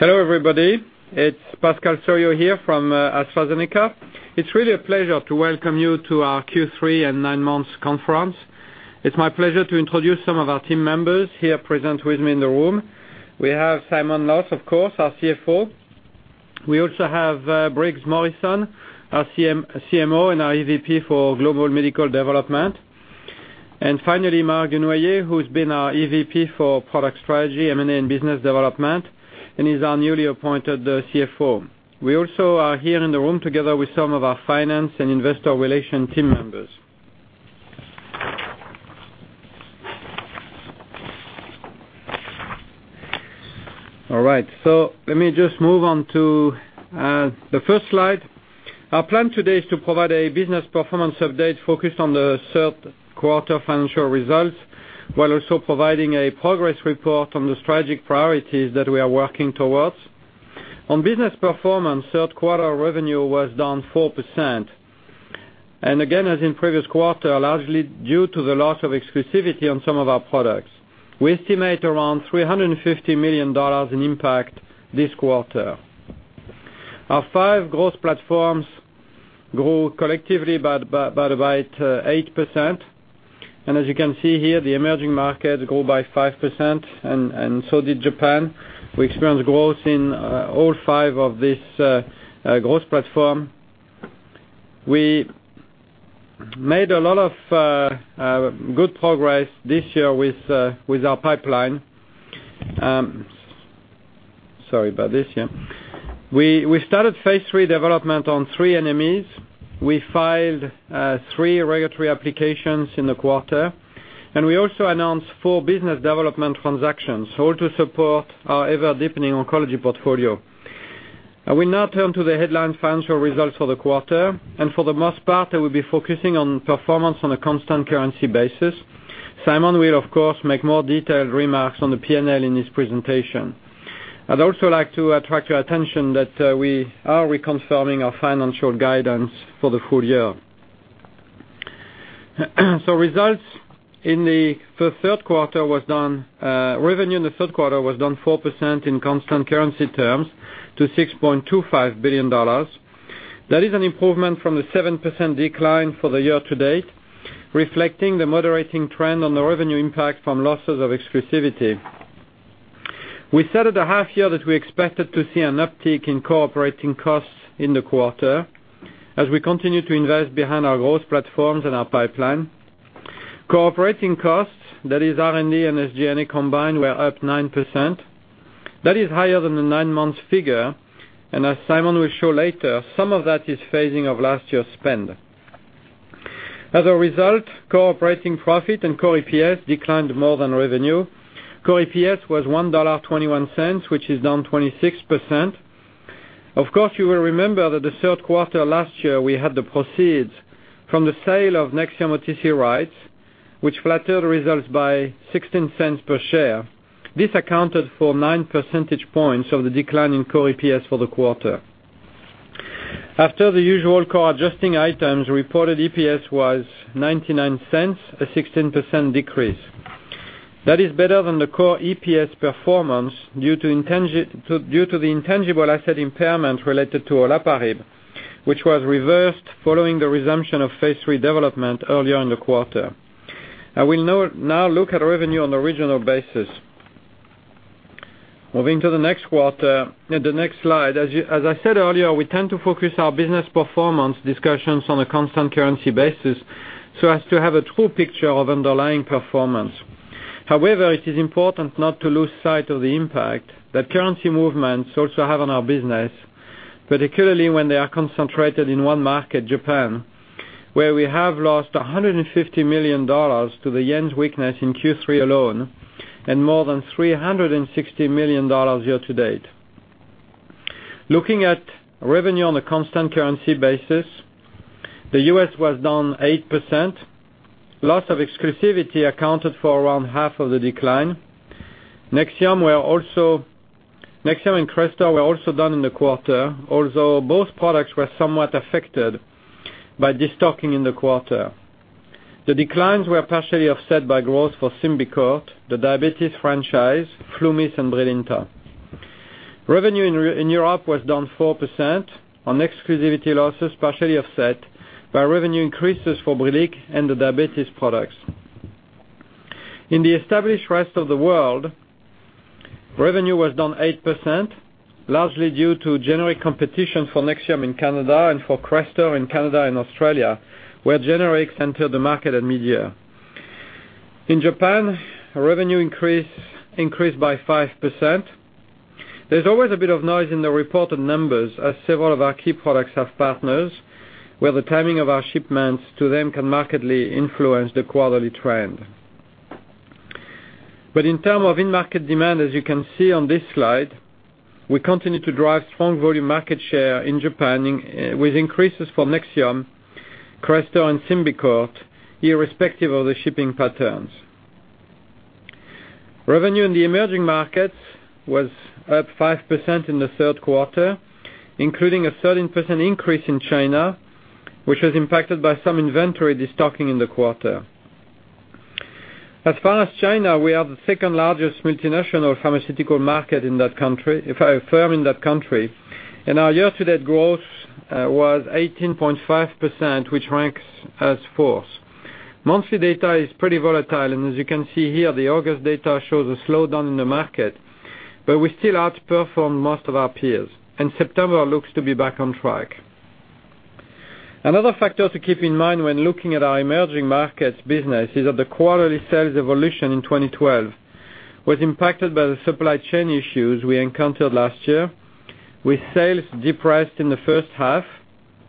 Hello, everybody. It's Pascal Soriot here from AstraZeneca. It's really a pleasure to welcome you to our Q3 and nine months conference. It's my pleasure to introduce some of our team members here present with me in the room. We have Simon Lowth, of course, our CFO. We also have Briggs Morrison, our CMO and our EVP for Global Medicines Development. Finally, Marc Dunoyer, who's been our EVP for Product Strategy, M&A, and Business Development, and is our newly appointed CFO. We also are here in the room together with some of our finance and investor relation team members. Right. Let me just move on to the first slide. Our plan today is to provide a business performance update focused on the third quarter financial results, while also providing a progress report on the strategic priorities that we are working towards. On business performance, third quarter revenue was down 4%. Again, as in the previous quarter, largely due to the loss of exclusivity on some of our products. We estimate around $350 million in impact this quarter. Our five growth platforms grew collectively by about 8%. As you can see here, the emerging markets grew by 5%, and so did Japan. We experienced growth in all five of these growth platforms. We made a lot of good progress this year with our pipeline. Sorry about this. We started phase III development on three NMEs. We filed three regulatory applications in the quarter, and we also announced four business development transactions, all to support our ever-deepening oncology portfolio. I will now turn to the headline financial results for the quarter. For the most part, I will be focusing on performance on a constant currency basis. Simon will, of course, make more detailed remarks on the P&L in his presentation. I'd also like to attract your attention that we are reconfirming our financial guidance for the full year. Results, revenue in the third quarter was down 4% in constant currency terms to $6.25 billion. That is an improvement from the 7% decline for the year to date, reflecting the moderating trend on the revenue impact from losses of exclusivity. We said at the half year that we expected to see an uptick in Core operating costs in the quarter, as we continue to invest behind our growth platforms and our pipeline. Cooperating costs, that is R&D and SG&A combined, were up 9%. That is higher than the nine-month figure, and as Simon will show later, some of that is phasing of last year's spend. As a result, Core operating profit and core EPS declined more than revenue. Core EPS was $1.21, which is down 26%. Of course, you will remember that the third quarter last year, we had the proceeds from the sale of NEXIUM OTC rights, which flattered results by $0.16 per share. This accounted for nine percentage points of the decline in core EPS for the quarter. After the usual core adjusting items, reported EPS was $0.99, a 16% decrease. That is better than the core EPS performance due to the intangible asset impairment related to olaparib, which was reversed following the resumption of phase III development earlier in the quarter. I will now look at revenue on a regional basis. Moving to the next slide. As I said earlier, we tend to focus our business performance discussions on a constant currency basis so as to have a true picture of underlying performance. It is important not to lose sight of the impact that currency movements also have on our business, particularly when they are concentrated in one market, Japan, where we have lost $150 million to the yen's weakness in Q3 alone and more than $360 million year-to-date. Looking at revenue on a constant currency basis, the U.S. was down 8%. Loss of exclusivity accounted for around half of the decline. NEXIUM and CRESTOR were also down in the quarter, although both products were somewhat affected by destocking in the quarter. The declines were partially offset by growth for Symbicort, the diabetes franchise, Flomax, and Brilinta. Revenue in Europe was down 4% on exclusivity losses, partially offset by revenue increases for Brilique and the diabetes products. In the established rest of the world, revenue was down 8%, largely due to generic competition for NEXIUM in Canada and for CRESTOR in Canada and Australia, where generics entered the market at midyear. In Japan, revenue increased by 5%. There's always a bit of noise in the reported numbers, as several of our key products have partners, where the timing of our shipments to them can markedly influence the quarterly trend. In terms of in-market demand, as you can see on this slide, we continue to drive strong volume market share in Japan with increases for NEXIUM, CRESTOR, and Symbicort, irrespective of the shipping patterns. Revenue in the emerging markets was up 5% in the third quarter, including a 13% increase in China, which was impacted by some inventory destocking in the quarter. As far as China, we are the second-largest multinational pharmaceutical firm in that country. Our year-to-date growth was 18.5%, which ranks as fourth. Monthly data is pretty volatile, and as you can see here, the August data shows a slowdown in the market, but we still outperformed most of our peers. September looks to be back on track. Another factor to keep in mind when looking at our emerging markets business is that the quarterly sales evolution in 2012 was impacted by the supply chain issues we encountered last year, with sales depressed in the first half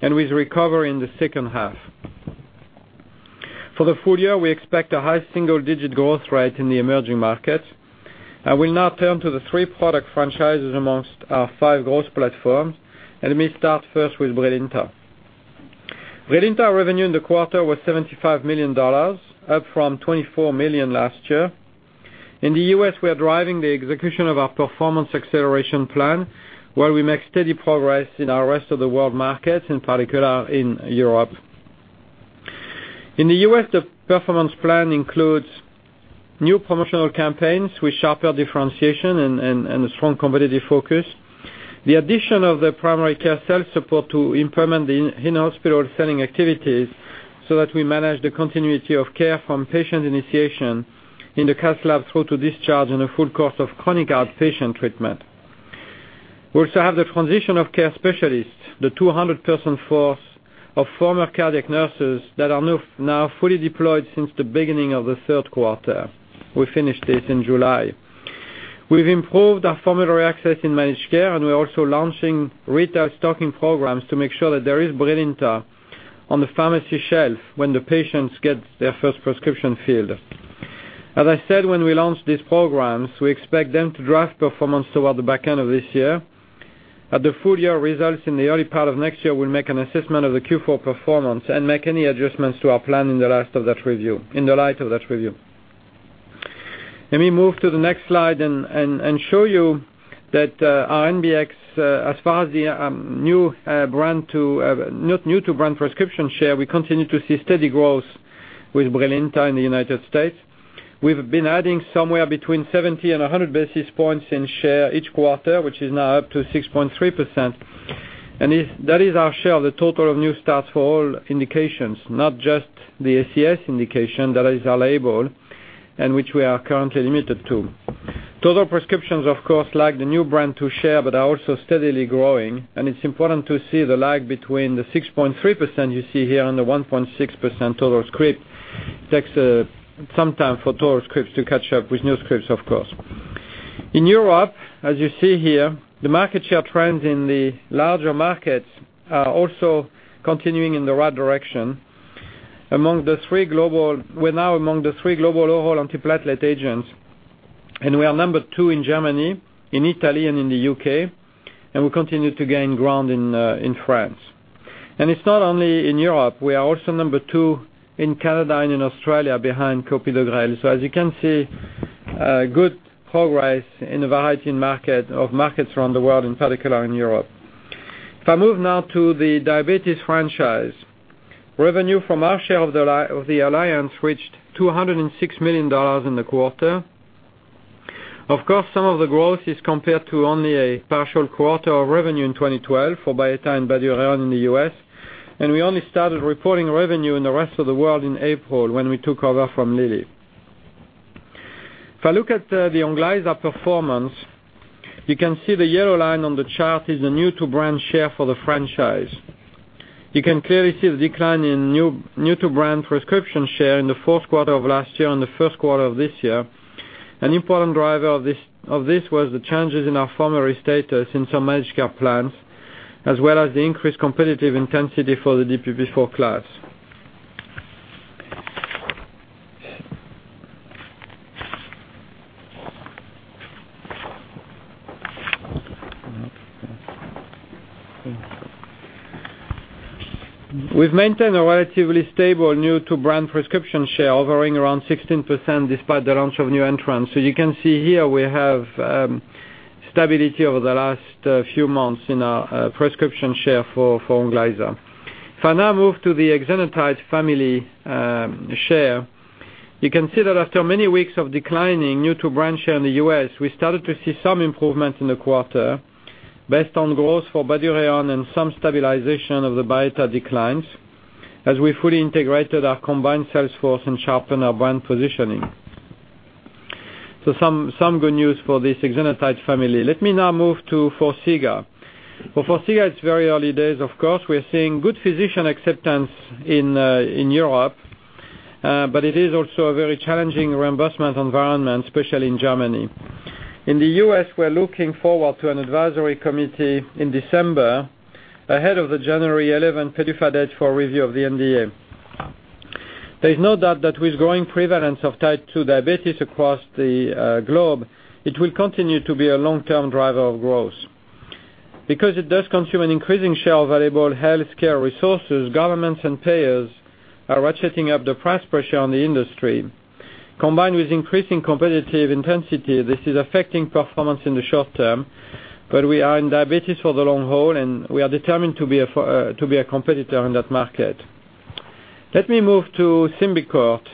and with recovery in the second half. For the full year, we expect a high single-digit growth rate in the emerging markets. I will now turn to the three product franchises amongst our five growth platforms, and let me start first with Brilinta. Brilinta revenue in the quarter was $75 million, up from $24 million last year. In the U.S., we are driving the execution of our performance acceleration plan, while we make steady progress in our rest-of-the-world markets, in particular in Europe. In the U.S., the performance plan includes new promotional campaigns with sharper differentiation and a strong competitive focus. The addition of the primary care sales support to implement the in-hospital selling activities so that we manage the continuity of care from patient initiation in the cath lab through to discharge and the full course of chronic outpatient treatment. We also have the transition of care specialists, the 200-person force of former cardiac nurses that are now fully deployed since the beginning of the third quarter. We finished this in July. We've improved our formulary access in managed care, and we're also launching retail stocking programs to make sure that there is Brilinta on the pharmacy shelf when the patients get their first prescription filled. As I said, when we launch these programs, we expect them to drive performance toward the back end of this year. At the full-year results in the early part of next year, we'll make an assessment of the Q4 performance and make any adjustments to our plan in the light of that review. Let me move to the next slide and show you that our NBRx, as far as the new to brand prescription share, we continue to see steady growth with Brilinta in the U.S. We've been adding somewhere between 70 and 100 basis points in share each quarter, which is now up to 6.3%. That is our share of the total of new starts for all indications, not just the ACS indication. That is our label and which we are currently limited to. Total prescriptions, of course, lag the new brand to share but are also steadily growing. It's important to see the lag between the 6.3% you see here and the 1.6% total script. Takes some time for total scripts to catch up with new scripts, of course. In Europe, as you see here, the market share trends in the larger markets are also continuing in the right direction. We're now among the three global overall antiplatelet agents, and we are number two in Germany, in Italy, and in the U.K., and we continue to gain ground in France. It's not only in Europe. We are also number two in Canada and in Australia behind clopidogrel. As you can see, good progress in a variety of markets around the world, in particular in Europe. If I move now to the diabetes franchise. Revenue from our share of the alliance reached $206 million in the quarter. Of course, some of the growth is compared to only a partial quarter of revenue in 2012 for Byetta and Bydureon in the U.S., and we only started reporting revenue in the rest of the world in April when we took over from Lilly. If I look at the Onglyza performance, you can see the yellow line on the chart is the new to brand share for the franchise. You can clearly see the decline in new to brand prescription share in the fourth quarter of last year and the first quarter of this year. An important driver of this was the changes in our formulary status in some managed care plans, as well as the increased competitive intensity for the DPP4 class. We've maintained a relatively stable new to brand prescription share, hovering around 16% despite the launch of new entrants. You can see here we have stability over the last few months in our prescription share for Onglyza. If I now move to the exenatide family share, you can see that after many weeks of declining new to brand share in the U.S., we started to see some improvement in the quarter based on growth for Bydureon and some stabilization of the Byetta declines as we fully integrated our combined sales force and sharpened our brand positioning. Some good news for this exenatide family. Let me now move to Forxiga. For Forxiga, it's very early days, of course. We're seeing good physician acceptance in Europe, but it is also a very challenging reimbursement environment, especially in Germany. In the U.S., we're looking forward to an advisory committee in December ahead of the January 11 PDUFA date for review of the NDA. There's no doubt that with growing prevalence of type 2 diabetes across the globe, it will continue to be a long-term driver of growth. Because it does consume an increasing share of valuable healthcare resources, governments and payers are ratcheting up the price pressure on the industry. Combined with increasing competitive intensity, this is affecting performance in the short term. We are in diabetes for the long haul, and we are determined to be a competitor in that market. Let me move to Symbicort.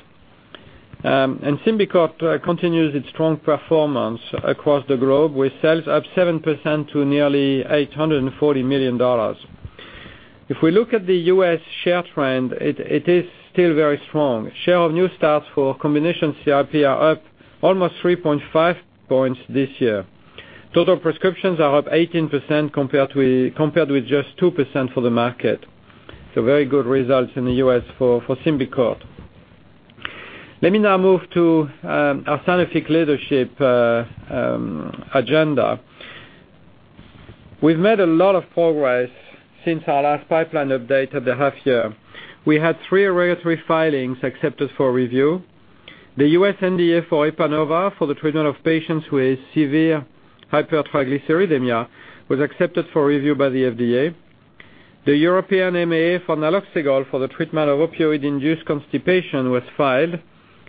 Symbicort continues its strong performance across the globe, with sales up 7% to nearly $840 million. If we look at the U.S. share trend, it is still very strong. Share of new starts for combination [CRP] are up almost 3.5 points this year. Total prescriptions are up 18% compared with just 2% for the market. Very good results in the U.S. for Symbicort. Let me now move to our scientific leadership agenda. We've made a lot of progress since our last pipeline update of the half year. We had three regulatory filings accepted for review. The U.S. NDA for Epanova, for the treatment of patients with severe hypertriglyceridemia, was accepted for review by the FDA. The European EMA for naloxegol for the treatment of opioid-induced constipation was filed,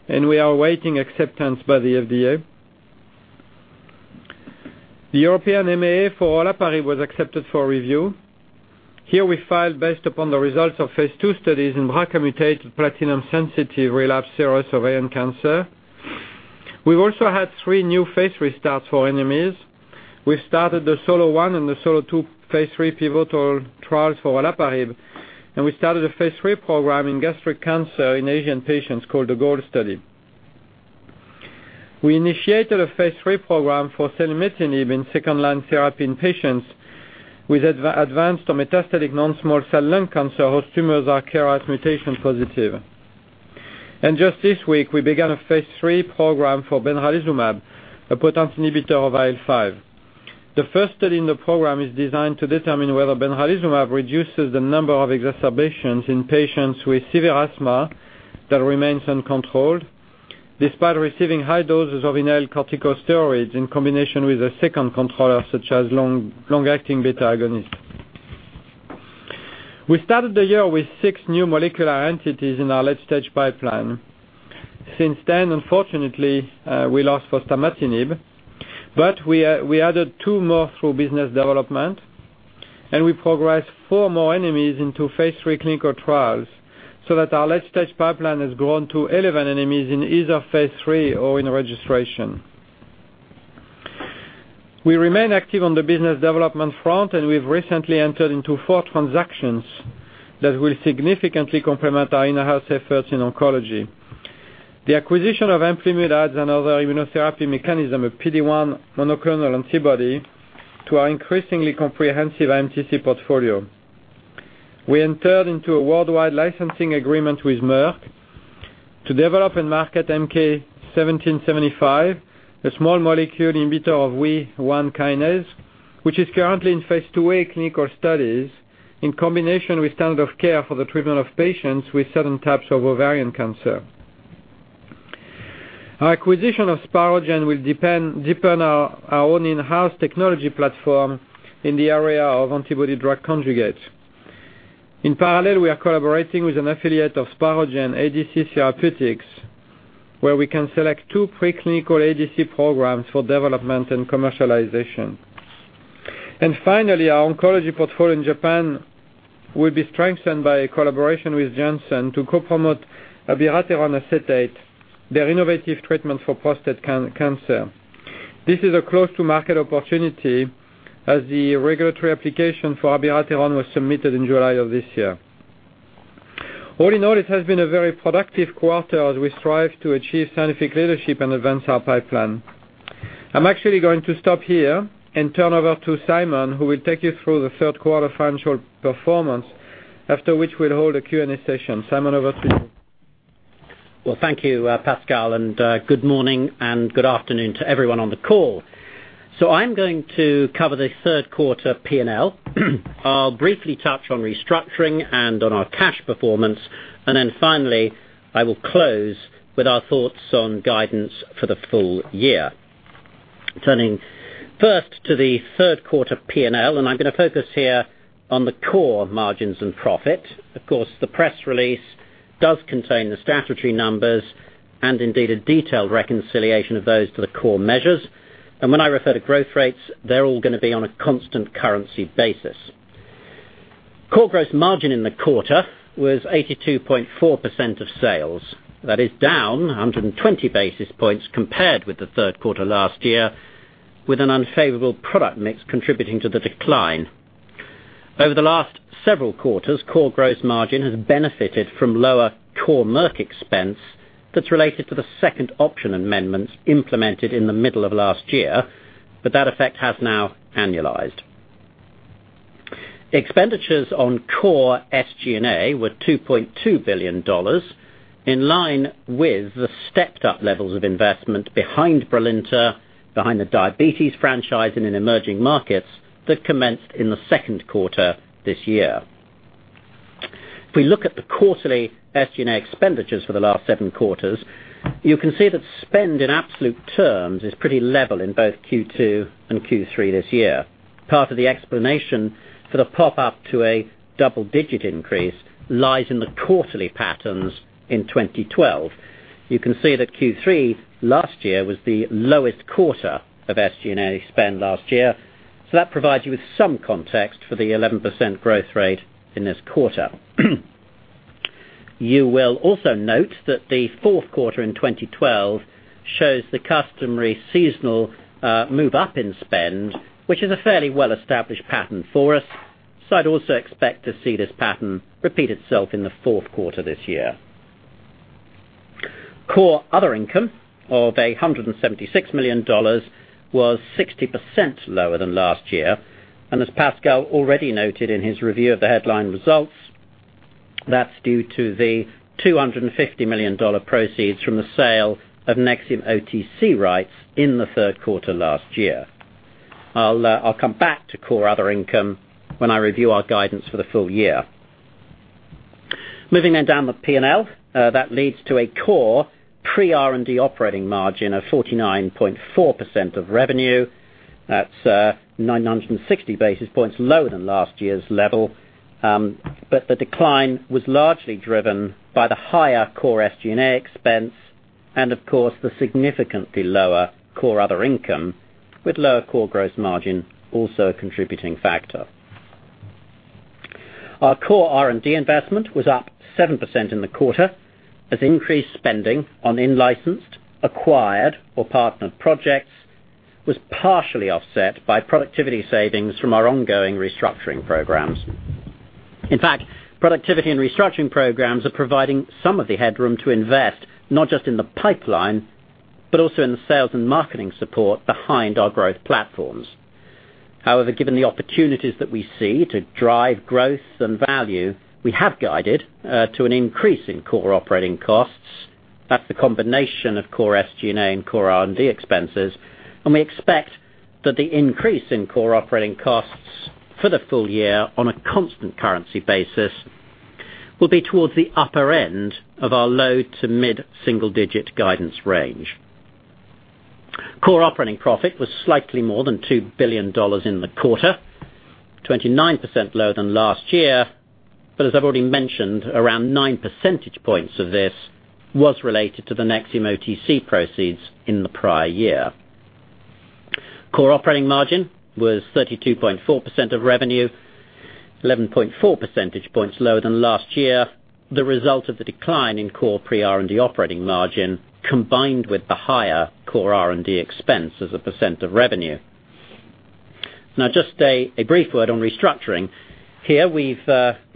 and we are awaiting acceptance by the FDA. The European EMA for olaparib was accepted for review. Here we filed based upon the results of phase II studies in BRCA-mutated platinum-sensitive relapse serious ovarian cancer. We've also had three new phase restarts for NMEs. We started the SOLO1 and the SOLO2 phase III pivotal trials for olaparib, and we started a phase III program in gastric cancer in Asian patients called the GOAL study. We initiated a phase III program for selumetinib in second-line therapy in patients with advanced or metastatic non-small cell lung cancer, whose tumors are KRAS mutation positive. Just this week, we began a phase III program for benralizumab, a potent inhibitor of IL-5. The first study in the program is designed to determine whether benralizumab reduces the number of exacerbations in patients with severe asthma that remains uncontrolled despite receiving high doses of inhaled corticosteroids in combination with a second controller, such as long-acting beta-agonist. We started the year with six new molecular entities in our late-stage pipeline. Since then, unfortunately, we lost fostamatinib, we added two more through business development, we progressed four more NMEs into phase III clinical trials so that our late-stage pipeline has grown to 11 NMEs in either phase III or in registration. We remain active on the business development front, we've recently entered into four transactions that will significantly complement our in-house efforts in oncology. The acquisition of Amplimmune adds another immunotherapy mechanism of PD-1 monoclonal antibody to our increasingly comprehensive MedImmune portfolio. We entered into a worldwide licensing agreement with Merck to develop and market MK-1775, a small molecule inhibitor of WEE1 kinase, which is currently in phase II-A clinical studies in combination with standard of care for the treatment of patients with certain types of ovarian cancer. Our acquisition of Spirogen will deepen our own in-house technology platform in the area of antibody-drug conjugates. In parallel, we are collaborating with an affiliate of Spirogen, ADC Therapeutics, where we can select two preclinical ADC programs for development and commercialization. Finally, our oncology portfolio in Japan will be strengthened by a collaboration with Janssen to co-promote abiraterone acetate, their innovative treatment for prostate cancer. This is a close-to-market opportunity as the regulatory application for abiraterone was submitted in July of this year. All in all, it has been a very productive quarter as we strive to achieve scientific leadership and advance our pipeline. I'm actually going to stop here and turn over to Simon, who will take you through the third quarter financial performance, after which we'll hold a Q&A session. Simon, over to you. Well, thank you, Pascal, good morning and good afternoon to everyone on the call. I'm going to cover the third quarter P&L. I'll briefly touch on restructuring and on our cash performance, finally, I will close with our thoughts on guidance for the full year. Turning first to the third quarter P&L, I'm going to focus here on the core margins and profit. Of course, the press release does contain the statutory numbers and indeed a detailed reconciliation of those to the core measures. When I refer to growth rates, they're all going to be on a constant currency basis. Core gross margin in the quarter was 82.4% of sales. That is down 120 basis points compared with the third quarter last year, with an unfavorable product mix contributing to the decline. Over the last several quarters, core gross margin has benefited from lower core Merck expense that's related to the second option amendments implemented in the middle of last year, that effect has now annualized. Expenditures on core SG&A were $2.2 billion, in line with the stepped-up levels of investment behind Brilinta, behind the diabetes franchise in emerging markets that commenced in the second quarter this year. If we look at the quarterly SG&A expenditures for the last seven quarters, you can see that spend in absolute terms is pretty level in both Q2 and Q3 this year. Part of the explanation for the pop up to a double-digit increase lies in the quarterly patterns in 2012. You can see that Q3 last year was the lowest quarter of SG&A spend last year. That provides you with some context for the 11% growth rate in this quarter. You will also note that the fourth quarter in 2012 shows the customary seasonal move up in spend, which is a fairly well-established pattern for us. I'd also expect to see this pattern repeat itself in the fourth quarter this year. Core other income of $176 million was 60% lower than last year, as Pascal already noted in his review of the headline results, that's due to the $250 million proceeds from the sale of NEXIUM OTC rights in the third quarter last year. I'll come back to core other income when I review our guidance for the full year. Moving down the P&L, that leads to a core pre-R&D operating margin of 49.4% of revenue. That's 960 basis points lower than last year's level. The decline was largely driven by the higher core SG&A expense and, of course, the significantly lower core other income, with lower core gross margin also a contributing factor. Our core R&D investment was up 7% in the quarter, as increased spending on in-licensed, acquired, or partnered projects was partially offset by productivity savings from our ongoing restructuring programs. In fact, productivity and restructuring programs are providing some of the headroom to invest, not just in the pipeline, but also in the sales and marketing support behind our growth platforms. Given the opportunities that we see to drive growth and value, we have guided to an increase in core operating costs. That's the combination of core SG&A and core R&D expenses, and we expect that the increase in core operating costs for the full year on a constant currency basis will be towards the upper end of our low to mid-single-digit guidance range. Core operating profit was slightly more than GBP 2 billion in the quarter, 29% lower than last year. As I've already mentioned, around nine percentage points of this was related to the NEXIUM OTC proceeds in the prior year. Core operating margin was 32.4% of revenue, 11.4 percentage points lower than last year, the result of the decline in core pre-R&D operating margin, combined with the higher core R&D expense as a % of revenue. Just a brief word on restructuring. Here, we've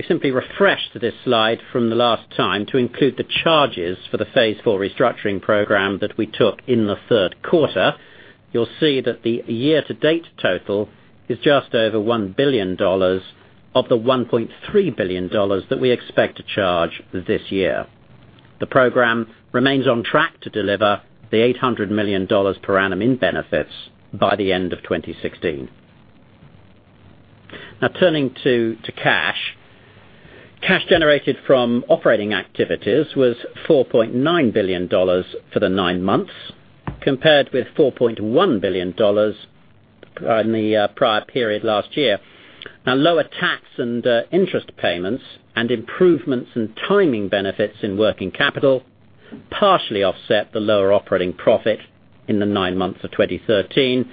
simply refreshed this slide from the last time to include the charges for the phase IV restructuring program that we took in the third quarter. You'll see that the year-to-date total is just over GBP 1 billion of the GBP 1.3 billion that we expect to charge this year. The program remains on track to deliver the GBP 800 million per annum in benefits by the end of 2016. Turning to cash. Cash generated from operating activities was GBP 4.9 billion for the nine months, compared with GBP 4.1 billion in the prior period last year. Lower tax and interest payments and improvements in timing benefits in working capital partially offset the lower operating profit in the nine months of 2013,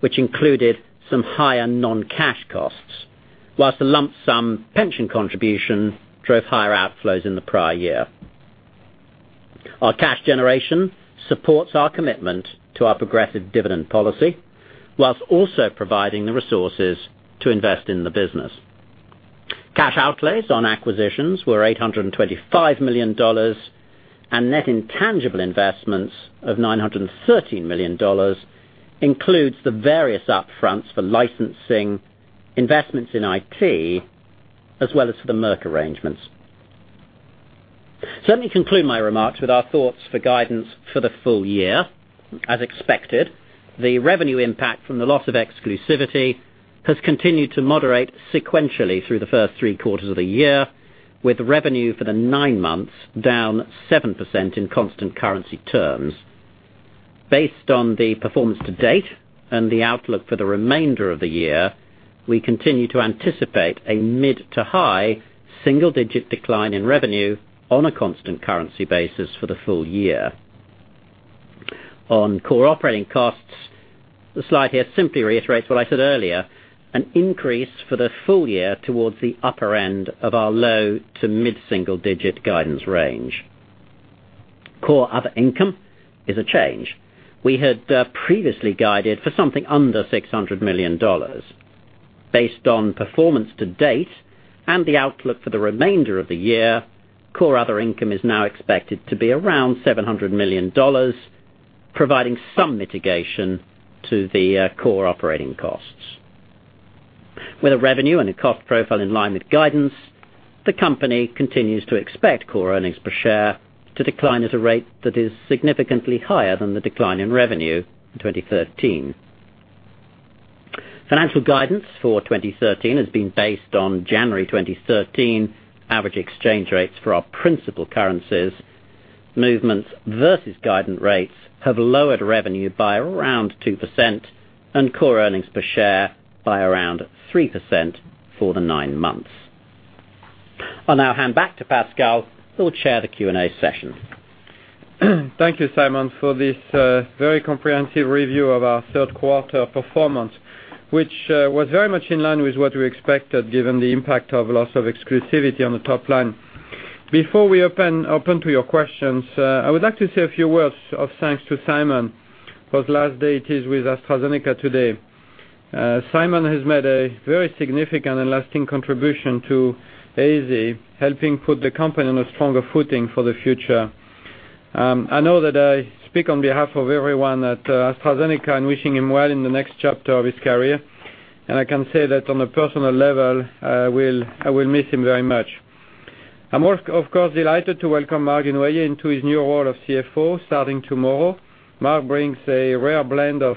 which included some higher non-cash costs, whilst the lump sum pension contribution drove higher outflows in the prior year. Our cash generation supports our commitment to our progressive dividend policy, whilst also providing the resources to invest in the business. Cash outlays on acquisitions were GBP 825 million, and net intangible investments of GBP 913 million includes the various upfronts for licensing investments in IT, as well as for the Merck arrangements. Let me conclude my remarks with our thoughts for guidance for the full year. As expected, the revenue impact from the loss of exclusivity has continued to moderate sequentially through the first three quarters of the year, with revenue for the nine months down 7% in constant currency terms. Based on the performance to date and the outlook for the remainder of the year, we continue to anticipate a mid to high single-digit decline in revenue on a constant currency basis for the full year. On core operating costs, the slide here simply reiterates what I said earlier, an increase for the full year towards the upper end of our low to mid-single digit guidance range. Core other income is a change. We had previously guided for something under $600 million. Based on performance to date and the outlook for the remainder of the year, core other income is now expected to be around $700 million, providing some mitigation to the core operating costs. With a revenue and a cost profile in line with guidance, the company continues to expect core earnings per share to decline at a rate that is significantly higher than the decline in revenue in 2013. Financial guidance for 2013 has been based on January 2013 average exchange rates for our principal currencies. Movements versus guidance rates have lowered revenue by around 2% and core earnings per share by around 3% for the nine months. I'll now hand back to Pascal, who will chair the Q&A session. Thank you, Simon, for this very comprehensive review of our third quarter performance, which was very much in line with what we expected, given the impact of loss of exclusivity on the top line. Before we open to your questions, I would like to say a few words of thanks to Simon for the last day it is with AstraZeneca today. Simon has made a very significant and lasting contribution to AZ, helping put the company on a stronger footing for the future. I know that I speak on behalf of everyone at AstraZeneca in wishing him well in the next chapter of his career, and I can say that on a personal level, I will miss him very much. I'm, of course, delighted to welcome Marc Dunoyer into his new role as CFO starting tomorrow. Marc brings a rare blend of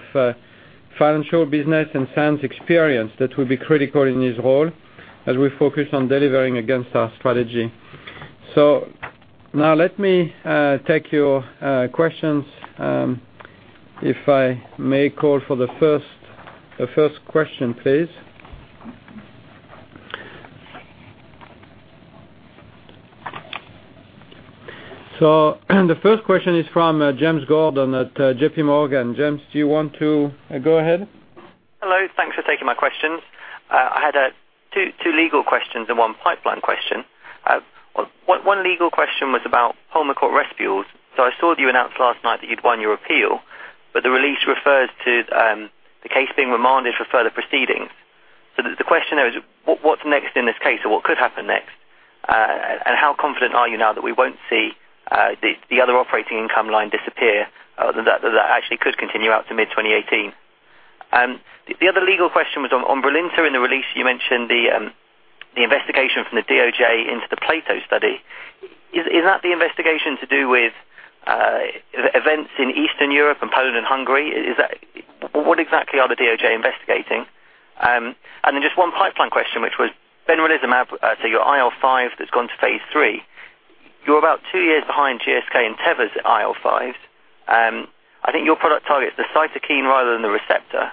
financial, business, and science experience that will be critical in his role as we focus on delivering against our strategy. Now let me take your questions. If I may call for the first question, please. The first question is from James Gordon at JPMorgan. James, do you want to go ahead? Hello. Thanks for taking my questions. I had two legal questions and one pipeline question. One legal question was about Pulmicort Respules. I saw that you announced last night that you'd won your appeal. The release refers to the case being remanded for further proceedings. The question there is, what's next in this case, or what could happen next? How confident are you now that we won't see the other operating income line disappear, that actually could continue out to mid-2018? The other legal question was on Brilinta. In the release, you mentioned the investigation from the DOJ into the PLATO study. Is that the investigation to do with events in Eastern Europe, and Poland, and Hungary? What exactly are the DOJ investigating? Just one pipeline question, which was benralizumab, so your IL-5 that's gone to phase III. You're about two years behind GSK and Teva's IL-5. I think your product targets the cytokine rather than the receptor.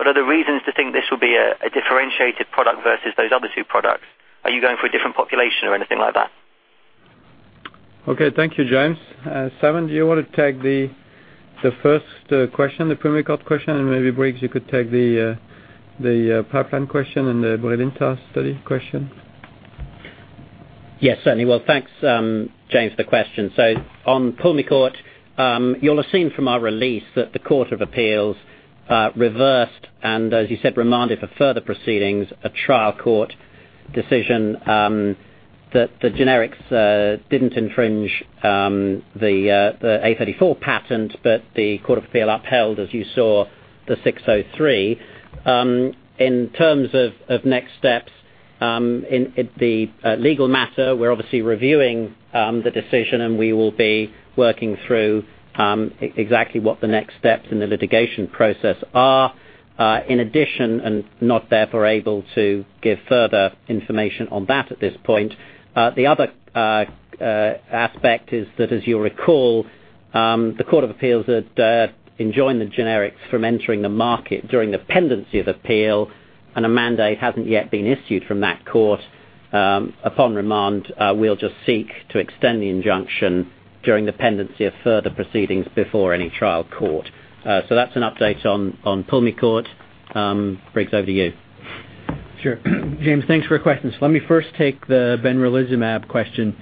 Are there reasons to think this will be a differentiated product versus those other two products? Are you going for a different population or anything like that? Okay. Thank you, James. Simon, do you want to take the first question, the Pulmicort question, and maybe, Briggs, you could take the pipeline question and the Brilinta study question? Yes, certainly. Thanks, James, for the question. On Pulmicort, you'll have seen from our release that the Court of Appeals reversed, and as you said, remanded for further proceedings, a trial court decision that the generics didn't infringe the 834 patent. The Court of Appeal upheld, as you saw, the '603. In terms of next steps in the legal matter, we're obviously reviewing the decision, and we will be working through exactly what the next steps in the litigation process are. In addition, we are not therefore able to give further information on that at this point. The other aspect is that, as you'll recall, the Court of Appeals had enjoined the generics from entering the market during the pendency of appeal, and a mandate hasn't yet been issued from that court. Upon remand, we'll just seek to extend the injunction during the pendency of further proceedings before any trial court. That's an update on Pulmicort. Briggs, over to you. Sure. James, thanks for your questions. Let me first take the benralizumab question.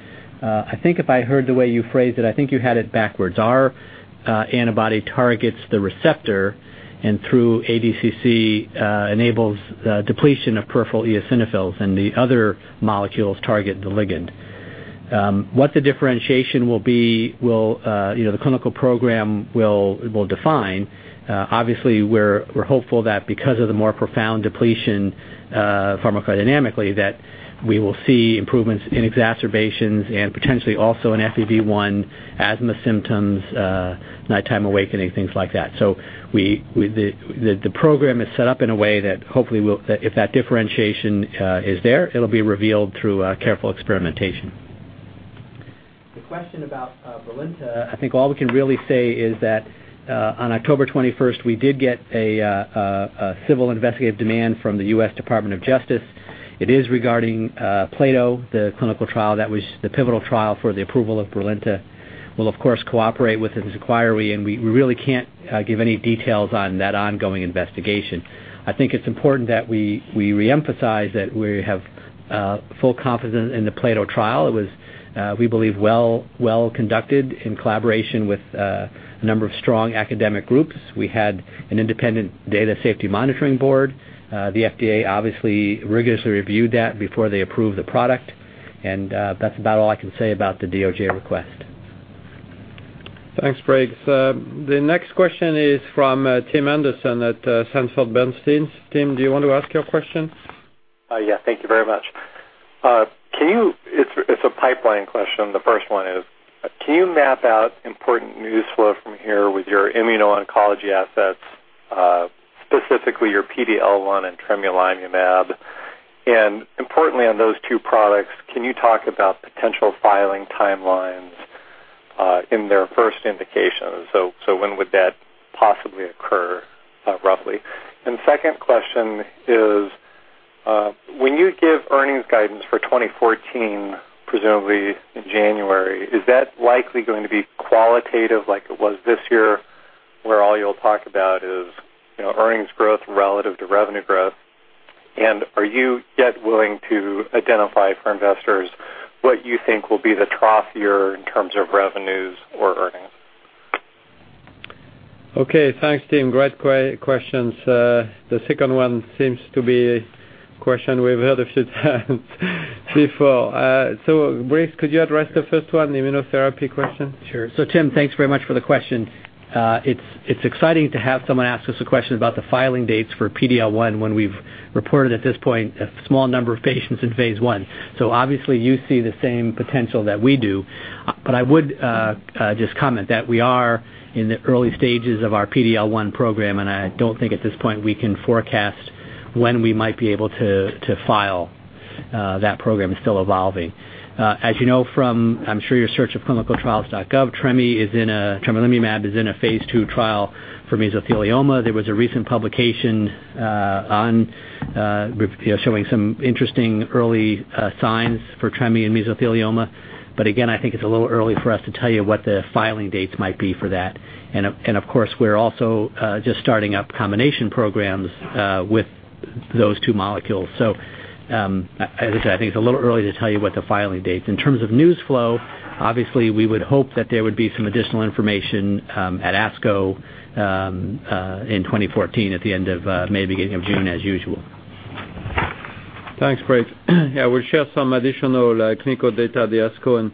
I think if I heard the way you phrased it, I think you had it backwards. Our antibody targets the receptor, and through ADCC, enables depletion of peripheral eosinophils, and the other molecules target the ligand. What the differentiation will be, the clinical program will define. Obviously, we're hopeful that because of the more profound depletion pharmacodynamically, that we will see improvements in exacerbations and potentially also in FEV1, asthma symptoms, nighttime awakening, things like that. The program is set up in a way that hopefully, if that differentiation is there, it'll be revealed through careful experimentation. The question about Brilinta, I think all we can really say is that on October 21st, we did get a civil investigative demand from the U.S. Department of Justice. It is regarding PLATO, the clinical trial that was the pivotal trial for the approval of Brilinta. We'll, of course, cooperate with this inquiry, and we really can't give any details on that ongoing investigation. I think it's important that we reemphasize that we have full confidence in the PLATO trial. It was, we believe, well conducted in collaboration with a number of strong academic groups. We had an independent data safety monitoring board. The FDA obviously rigorously reviewed that before they approved the product, and that's about all I can say about the DOJ request. Thanks, Briggs. The next question is from Tim Anderson at Sanford Bernstein. Tim, do you want to ask your question? Thank you very much. It's a pipeline question, the first one is, can you map out important news flow from here with your immuno-oncology assets, specifically your PD-L1 and tremelimumab? Importantly on those two products, can you talk about potential filing timelines? In their first indication. When would that possibly occur, roughly? Second question is, when you give earnings guidance for 2014, presumably in January, is that likely going to be qualitative like it was this year, where all you'll talk about is earnings growth relative to revenue growth? Are you yet willing to identify for investors what you think will be the trough year in terms of revenues or earnings? Okay. Thanks, Tim. Great questions. The second one seems to be a question we've heard a few times before. Briggs, could you address the first one, the immunotherapy question? Sure. Tim, thanks very much for the question. It's exciting to have someone ask us a question about the filing dates for PD-L1 when we've reported at this point a small number of patients in phase I. Obviously you see the same potential that we do. I would just comment that we are in the early stages of our PD-L1 program, and I don't think at this point we can forecast when we might be able to file. That program is still evolving. As you know from, I'm sure, your search of clinicaltrials.gov, tremelimumab is in a phase II trial for mesothelioma. There was a recent publication showing some interesting early signs for tremi in mesothelioma. Again, I think it's a little early for us to tell you what the filing dates might be for that. Of course, we're also just starting up combination programs with those two molecules. As I said, I think it's a little early to tell you what the filing dates might be. In terms of news flow, obviously we would hope that there would be some additional information at ASCO in 2014 at the end of May, beginning of June as usual. Thanks, Briggs. We'll share some additional clinical data at the ASCO.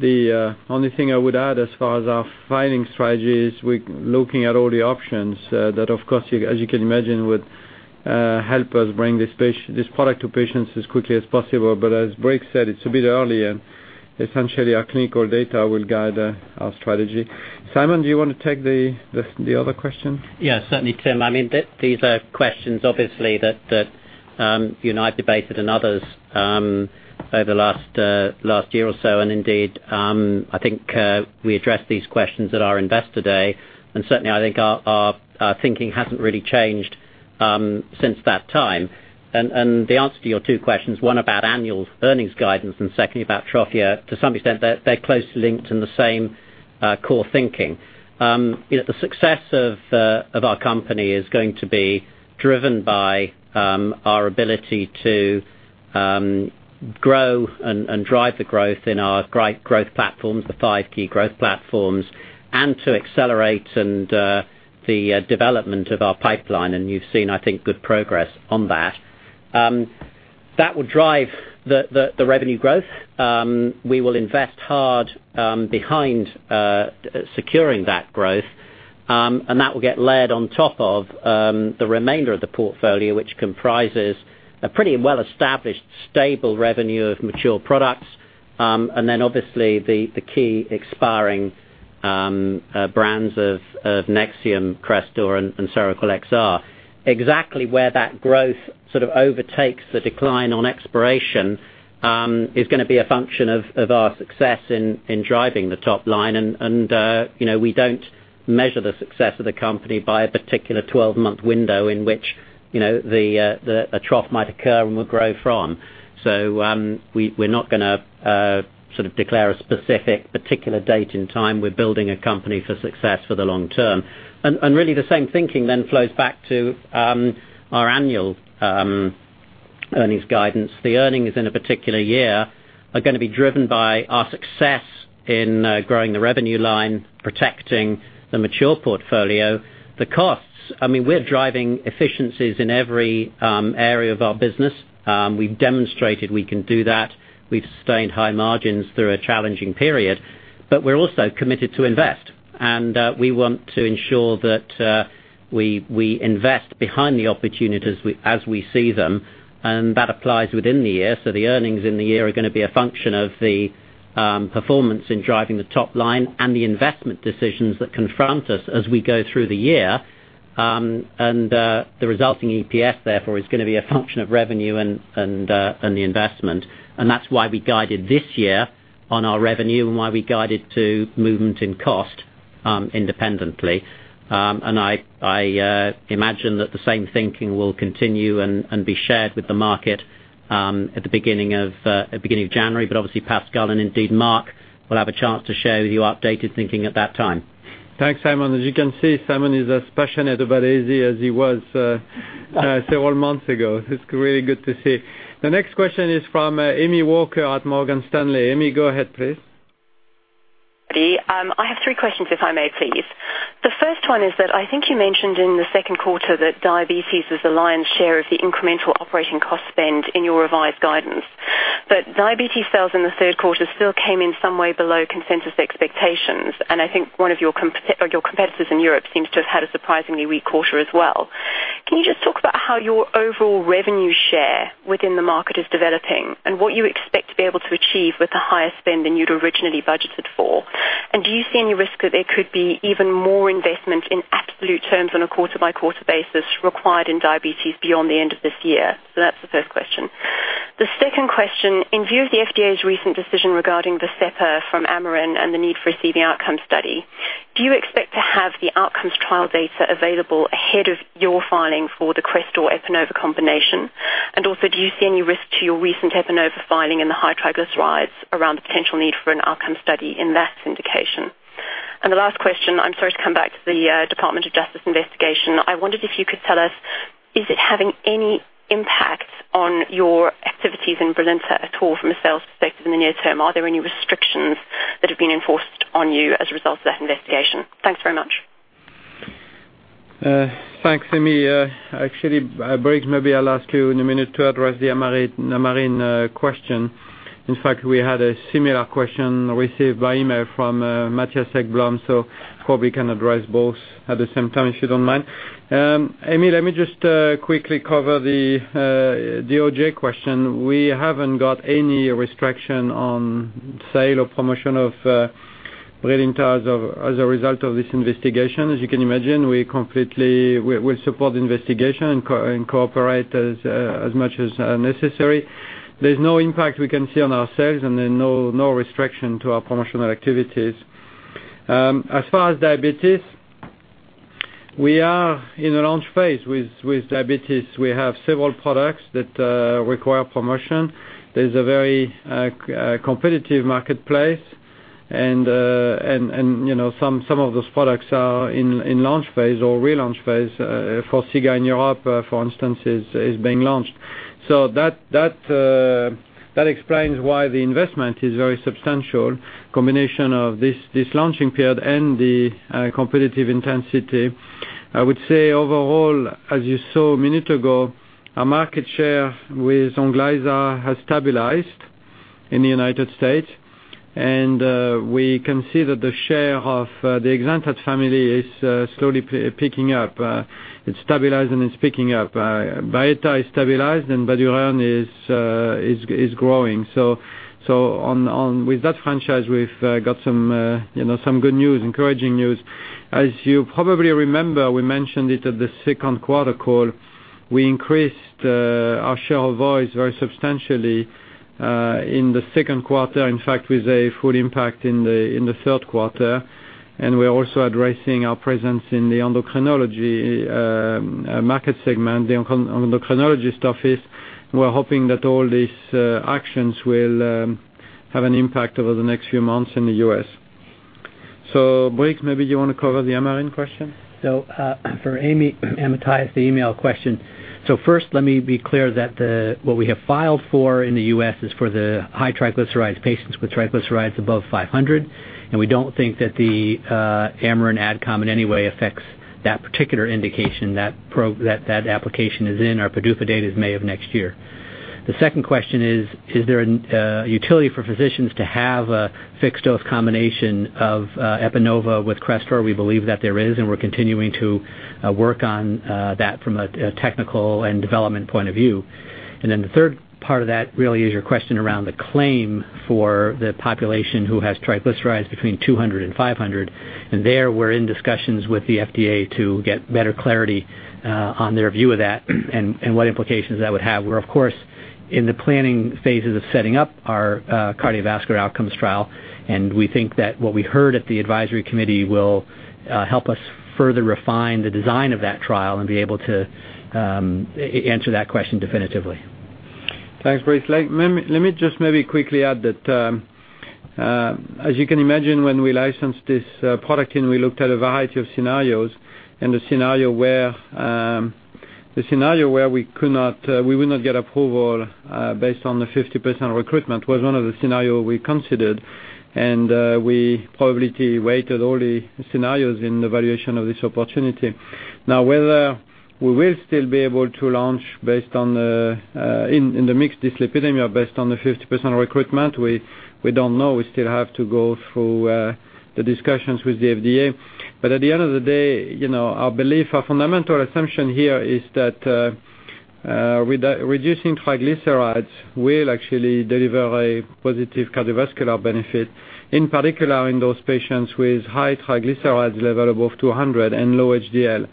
The only thing I would add as far as our filing strategy is we're looking at all the options. Of course, as you can imagine, would help us bring this product to patients as quickly as possible. As Briggs said, it's a bit early and essentially our clinical data will guide our strategy. Simon, do you want to take the other question? Certainly, Tim. These are questions, obviously, that you and I have debated and others over the last year or so. Indeed, I think we addressed these questions at our investor day. Certainly, I think our thinking hasn't really changed since that time. The answer to your two questions, one about annual earnings guidance and secondly about trough year, to some extent they're closely linked in the same core thinking. The success of our company is going to be driven by our ability to grow and drive the growth in our great growth platforms, the five key growth platforms, and to accelerate the development of our pipeline. You've seen, I think, good progress on that. That will drive the revenue growth. We will invest hard behind securing that growth. That will get layered on top of the remainder of the portfolio, which comprises a pretty well-established, stable revenue of mature products. Then obviously the key expiring brands of NEXIUM, CRESTOR, and Seroquel XR. Exactly where that growth sort of overtakes the decline on expiration is going to be a function of our success in driving the top line. We don't measure the success of the company by a particular 12-month window in which a trough might occur and we'll grow from. We're not going to declare a specific particular date in time. We're building a company for success for the long term. Really the same thinking flows back to our annual earnings guidance. The earnings in a particular year are going to be driven by our success in growing the revenue line, protecting the mature portfolio. The costs, we're driving efficiencies in every area of our business. We've demonstrated we can do that. We've sustained high margins through a challenging period. We're also committed to invest, and we want to ensure that we invest behind the opportunities as we see them. That applies within the year. The earnings in the year are going to be a function of the performance in driving the top line and the investment decisions that confront us as we go through the year. The resulting EPS, therefore, is going to be a function of revenue and the investment. That's why we guided this year on our revenue and why we guided to movement in cost independently. I imagine that the same thinking will continue and be shared with the market at the beginning of January, but obviously Pascal and indeed Marc will have a chance to share with you our updated thinking at that time. Thanks, Simon. As you can see, Simon is as passionate about AZ as he was several months ago. It's really good to see. The next question is from Amy Walker at Morgan Stanley. Amy, go ahead please. I have three questions, if I may please. The first one is that I think you mentioned in the second quarter that diabetes was the lion's share of the incremental operating cost spend in your revised guidance. Diabetes sales in the third quarter still came in some way below consensus expectations, and I think one of your competitors in Europe seems to have had a surprisingly weak quarter as well. Can you just talk about how your overall revenue share within the market is developing and what you expect to be able to achieve with the higher spend than you'd originally budgeted for? Do you see any risk that there could be even more investment in absolute terms on a quarter-by-quarter basis required in diabetes beyond the end of this year? That's the first question. The second question, in view of the FDA's recent decision regarding the sNDA from Amarin and the need for a CV outcome study, do you expect to have the outcomes trial data available ahead of your filing for the CRESTOR/Epanova combination? Do you see any risk to your recent Epanova filing and the high triglycerides around the potential need for an outcome study in that indication? The last question, I'm sorry to come back to the Department of Justice investigation. I wondered if you could tell us, is it having any impact on your activities in Brilinta at all from a sales perspective in the near term? Are there any restrictions that have been enforced on you as a result of that investigation? Thanks very much. Thanks, Amy. Actually, Briggs, maybe I'll ask you in a minute to address the Amarin question. In fact, we had a similar question received by email from Mattias Häggblom, probably can address both at the same time, if you don't mind. Amy, let me just quickly cover the DOJ question. We haven't got any restriction on sale or promotion of Brilinta as a result of this investigation. As you can imagine, we support the investigation and cooperate as much as necessary. There's no impact we can see on our sales, no restriction to our promotional activities. As far as diabetes, we are in a launch phase with diabetes. We have several products that require promotion. There's a very competitive marketplace, some of those products are in launch phase or relaunch phase. Forxiga in Europe, for instance, is being launched. That explains why the investment is very substantial, combination of this launching period and the competitive intensity. I would say overall, as you saw a minute ago, our market share with Onglyza has stabilized in the U.S., we can see that the share of the exenatide family is slowly picking up. It's stabilizing, it's picking up. Byetta is stabilized, Bydureon is growing. With that franchise, we've got some good news, encouraging news. As you probably remember, we mentioned it at the second quarter call, we increased our share of voice very substantially, in the second quarter. In fact, with a full impact in the third quarter. We're also addressing our presence in the endocrinology market segment, the endocrinologist office. We're hoping that all these actions will have an impact over the next few months in the U.S. Briggs, maybe you want to cover the Amarin question? For Amy and Mattias, the email question. First, let me be clear that what we have filed for in the U.S. is for the high triglycerides patients with triglycerides above 500, we don't think that the Amarin ad com in any way affects that particular indication. That application is in. Our PDUFA date is May of next year. The second question is there a utility for physicians to have a fixed-dose combination of Epanova with CRESTOR? We believe that there is, we're continuing to work on that from a technical and development point of view. The third part of that really is your question around the claim for the population who has triglycerides between 200 and 500. There, we're in discussions with the FDA to get better clarity on their view of that and what implications that would have. We're, of course, in the planning phases of setting up our cardiovascular outcomes trial. We think that what we heard at the advisory committee will help us further refine the design of that trial and be able to answer that question definitively. Thanks, Briggs. Let me just maybe quickly add that, as you can imagine, when we licensed this product, we looked at a variety of scenarios. The scenario where we would not get approval based on the 50% recruitment was one of the scenario we considered. We probability-weighted all the scenarios in the valuation of this opportunity. Now, whether we will still be able to launch based on the, in the mixed dyslipidemia, based on the 50% recruitment, we don't know. We still have to go through the discussions with the FDA. At the end of the day, our belief, our fundamental assumption here is that reducing triglycerides will actually deliver a positive cardiovascular benefit, in particular in those patients with high triglycerides level above 200 and low HDL.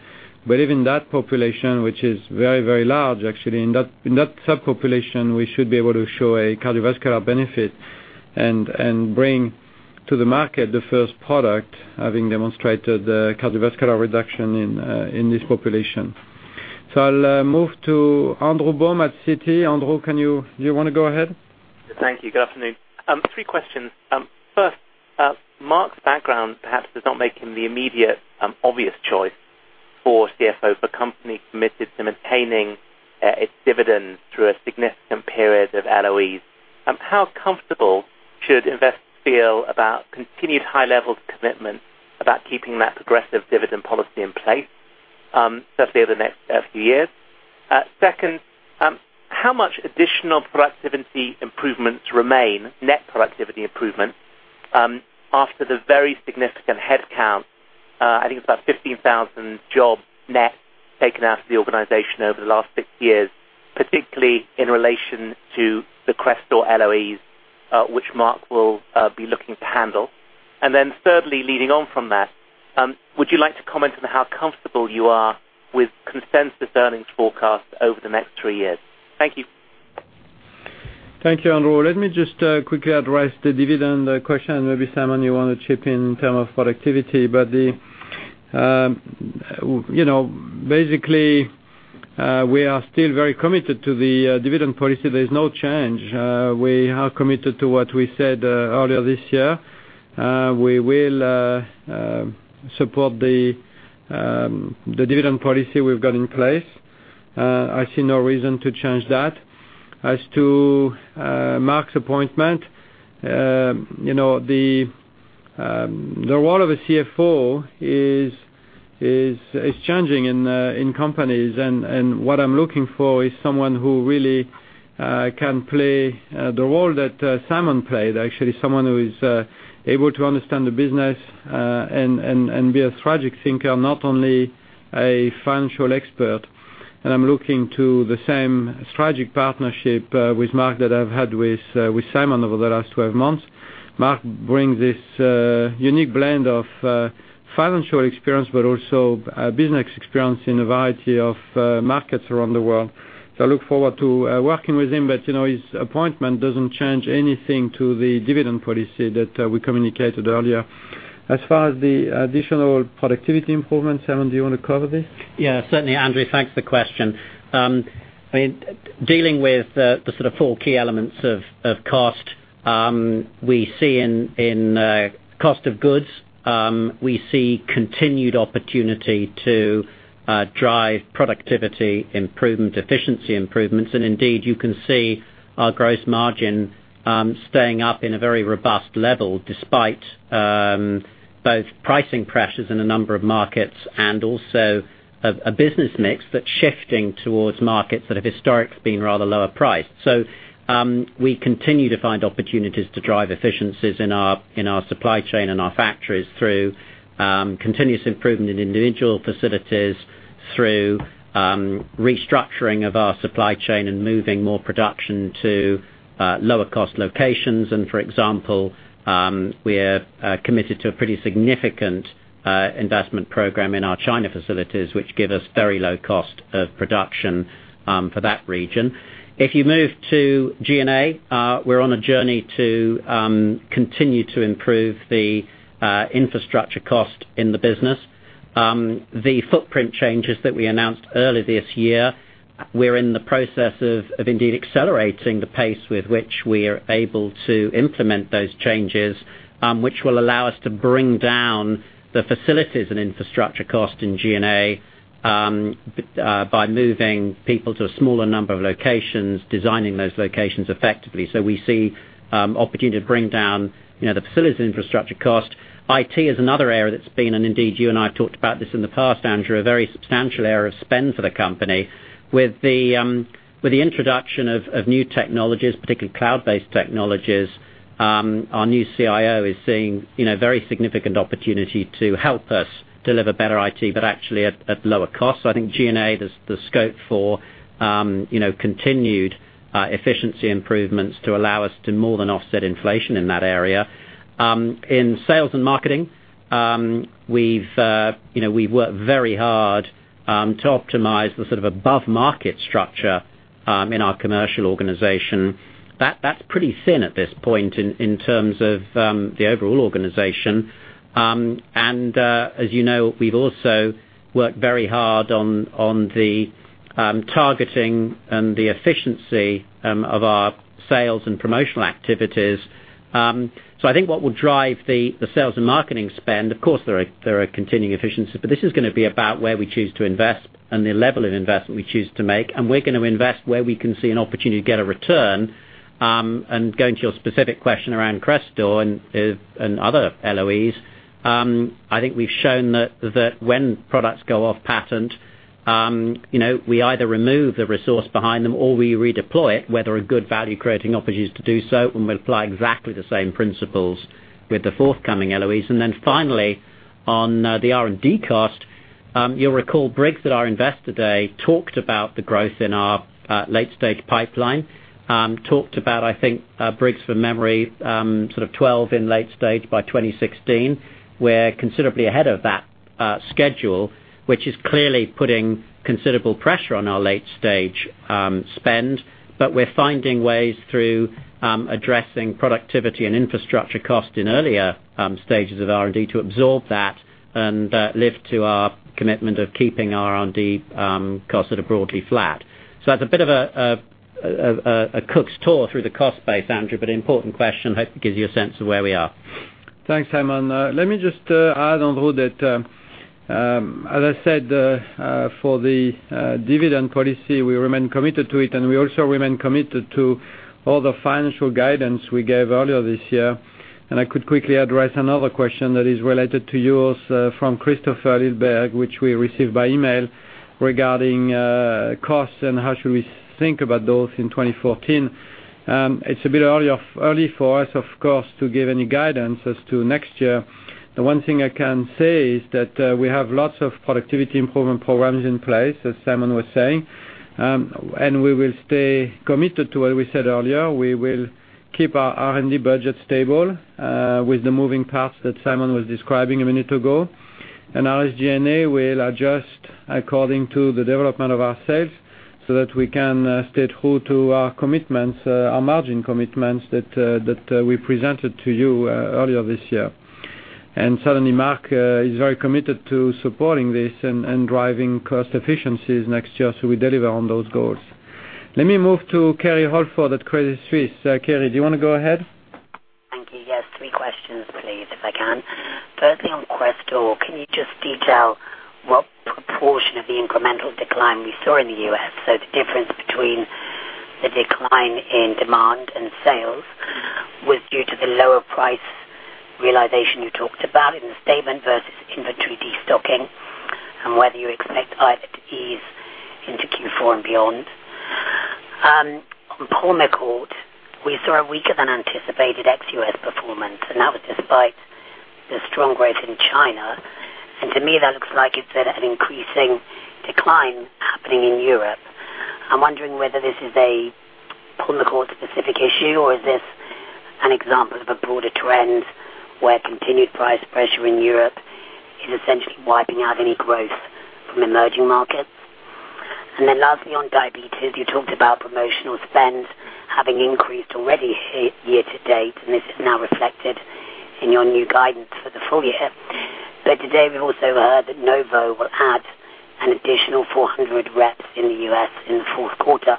Even that population, which is very large, actually, in that subpopulation, we should be able to show a cardiovascular benefit and bring to the market the first product, having demonstrated cardiovascular reduction in this population. I'll move to Andrew Baum at Citi. Andrew, do you want to go ahead? Thank you. Good afternoon. Three questions. First, Marc's background perhaps does not make him the immediate obvious choice for CFO of a company committed to maintaining its dividend through a significant period of LOEs. How comfortable should investors feel about continued high levels of commitment about keeping that progressive dividend policy in place, certainly over the next few years? Second, how much additional productivity improvements remain, net productivity improvement, after the very significant headcount, I think it's about 15,000 jobs net taken out of the organization over the last six years? Particularly in relation to the CRESTOR LOEs, which Marc will be looking to handle. Thirdly, leading on from that, would you like to comment on how comfortable you are with consensus earnings forecasts over the next three years? Thank you. Thank you, Andrew. Let me just quickly address the dividend question. Maybe Simon, you want to chip in in terms of productivity. Basically, we are still very committed to the dividend policy. There is no change. We are committed to what we said earlier this year. We will support the dividend policy we've got in place. I see no reason to change that. As to Marc's appointment, the role of a CFO is changing in companies, what I'm looking for is someone who really can play the role that Simon played. Actually, someone who is able to understand the business and be a strategic thinker, not only a financial expert. I'm looking to the same strategic partnership with Marc that I've had with Simon over the last 12 months. Marc brings this unique blend of financial experience, also business experience in a variety of markets around the world. I look forward to working with him. His appointment doesn't change anything to the dividend policy that we communicated earlier. As far as the additional productivity improvements, Simon, do you want to cover this? Yeah, certainly, Andrew. Thanks for the question. Dealing with the four key elements of cost. We see in cost of goods, we see continued opportunity to drive productivity improvement, efficiency improvements, indeed, you can see our gross margin staying up in a very robust level despite both pricing pressures in a number of markets also a business mix that's shifting towards markets that have historically been rather lower priced. We continue to find opportunities to drive efficiencies in our supply chain and our factories through continuous improvement in individual facilities through restructuring of our supply chain and moving more production to lower cost locations. For example, we are committed to a pretty significant investment program in our China facilities, which give us very low cost of production for that region. If you move to G&A, we're on a journey to continue to improve the infrastructure cost in the business. The footprint changes that we announced earlier this year, we're in the process of indeed accelerating the pace with which we are able to implement those changes which will allow us to bring down the facilities and infrastructure cost in G&A by moving people to a smaller number of locations, designing those locations effectively. We see opportunity to bring down the facilities infrastructure cost. IT is another area that's been, and indeed, you and I have talked about this in the past, Andrew, a very substantial area of spend for the company. With the introduction of new technologies, particularly cloud-based technologies, our new CIO is seeing very significant opportunity to help us deliver better IT, but actually at lower cost. I think G&A, there's the scope for continued efficiency improvements to allow us to more than offset inflation in that area. In sales and marketing, we've worked very hard to optimize the above-market structure in our commercial organization. That's pretty thin at this point in terms of the overall organization. As you know, we've also worked very hard on the targeting and the efficiency of our sales and promotional activities. I think what will drive the sales and marketing spend, of course, there are continuing efficiencies, but this is going to be about where we choose to invest and the level of investment we choose to make, and we're going to invest where we can see an opportunity to get a return. Going to your specific question around CRESTOR and other LOEs, I think we've shown that when products go off patent, we either remove the resource behind them or we redeploy it, where there are good value creating opportunities to do so. We apply exactly the same principles with the forthcoming LOEs. Finally, on the R&D cost, you'll recall Briggs at our Investor Day talked about the growth in our late-stage pipeline. Talked about, I think Briggs from memory, 12 in late stage by 2016. We're considerably ahead of that schedule, which is clearly putting considerable pressure on our late-stage spend. We're finding ways through addressing productivity and infrastructure cost in earlier stages of R&D to absorb that and live to our commitment of keeping R&D costs at a broadly flat. That's a bit of a cook's tour through the cost base, Andrew, but important question. I hope it gives you a sense of where we are. Thanks, Simon. Let me just add on that. As I said, for the dividend policy, we remain committed to it, and we also remain committed to all the financial guidance we gave earlier this year. I could quickly address another question that is related to yours from Christopher Lyrhem, which we received by email regarding costs and how should we think about those in 2014. It's a bit early for us, of course, to give any guidance as to next year. The one thing I can say is that we have lots of productivity improvement programs in place, as Simon was saying, and we will stay committed to what we said earlier. We will keep our R&D budget stable with the moving parts that Simon was describing a minute ago. Our SG&A will adjust according to the development of our sales so that we can stay true to our margin commitments that we presented to you earlier this year. Certainly, Marc is very committed to supporting this and driving cost efficiencies next year so we deliver on those goals. Let me move to Kerry Holford at Credit Suisse. Kerry, do you want to go ahead? Thank you. Yes, three questions please, if I can. Firstly, on CRESTOR, can you just detail what proportion of the incremental decline we saw in the U.S., so the difference between the decline in demand and sales, was due to the lower price realization you talked about in the statement versus inventory destocking, and whether you expect either to ease into Q4 and beyond? On Pulmicort, we saw a weaker than anticipated ex-U.S. performance, and that was despite the strong growth in China. To me, that looks like it's an increasing decline happening in Europe. I'm wondering whether this is a Pulmicort-specific issue, or is this an example of a broader trend where continued price pressure in Europe is essentially wiping out any growth from emerging markets? Lastly, on diabetes, you talked about promotional spends having increased already year-to-date, and this is now reflected in your new guidance for the full year. Today we've also heard that Novo will add an additional 400 reps in the U.S. in the fourth quarter.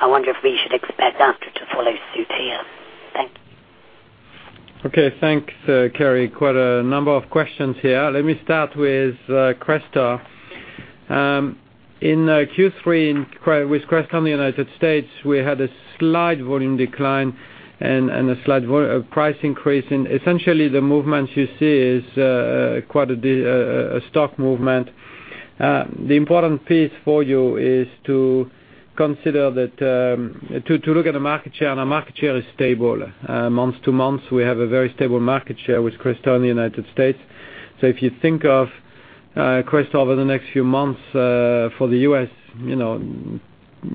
I wonder if we should expect AstraZeneca to follow suit here. Thank you. Okay, thanks, Kerry. Quite a number of questions here. Let me start with CRESTOR. In Q3 with CRESTOR in the U.S., we had a slight volume decline and a slight price increase. Essentially, the movement you see is quite a stock movement. The important piece for you is to look at the market share, and our market share is stable month-over-month. We have a very stable market share with CRESTOR in the U.S. If you think of CRESTOR over the next few months for the U.S.,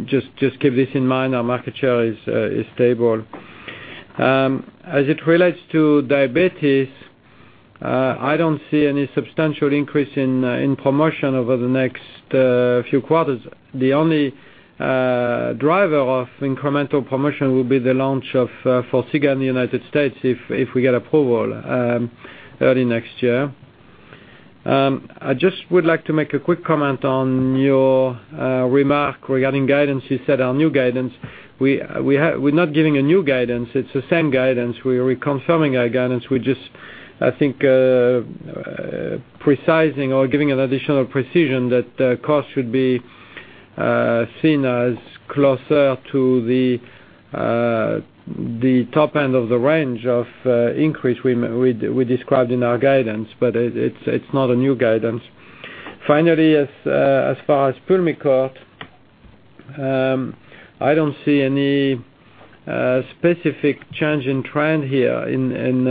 just keep this in mind. Our market share is stable. As it relates to diabetes, I don't see any substantial increase in promotion over the next few quarters. The only driver of incremental promotion will be the launch of Forxiga in the U.S. if we get approval early next year. I just would like to make a quick comment on your remark regarding guidance. You said our new guidance. We're not giving a new guidance. It's the same guidance. We're reconfirming our guidance. We're just, I think, giving an additional precision that costs should be seen as closer to the top end of the range of increase we described in our guidance, but it's not a new guidance. Finally, as far as Pulmicort, I don't see any specific change in trend here. In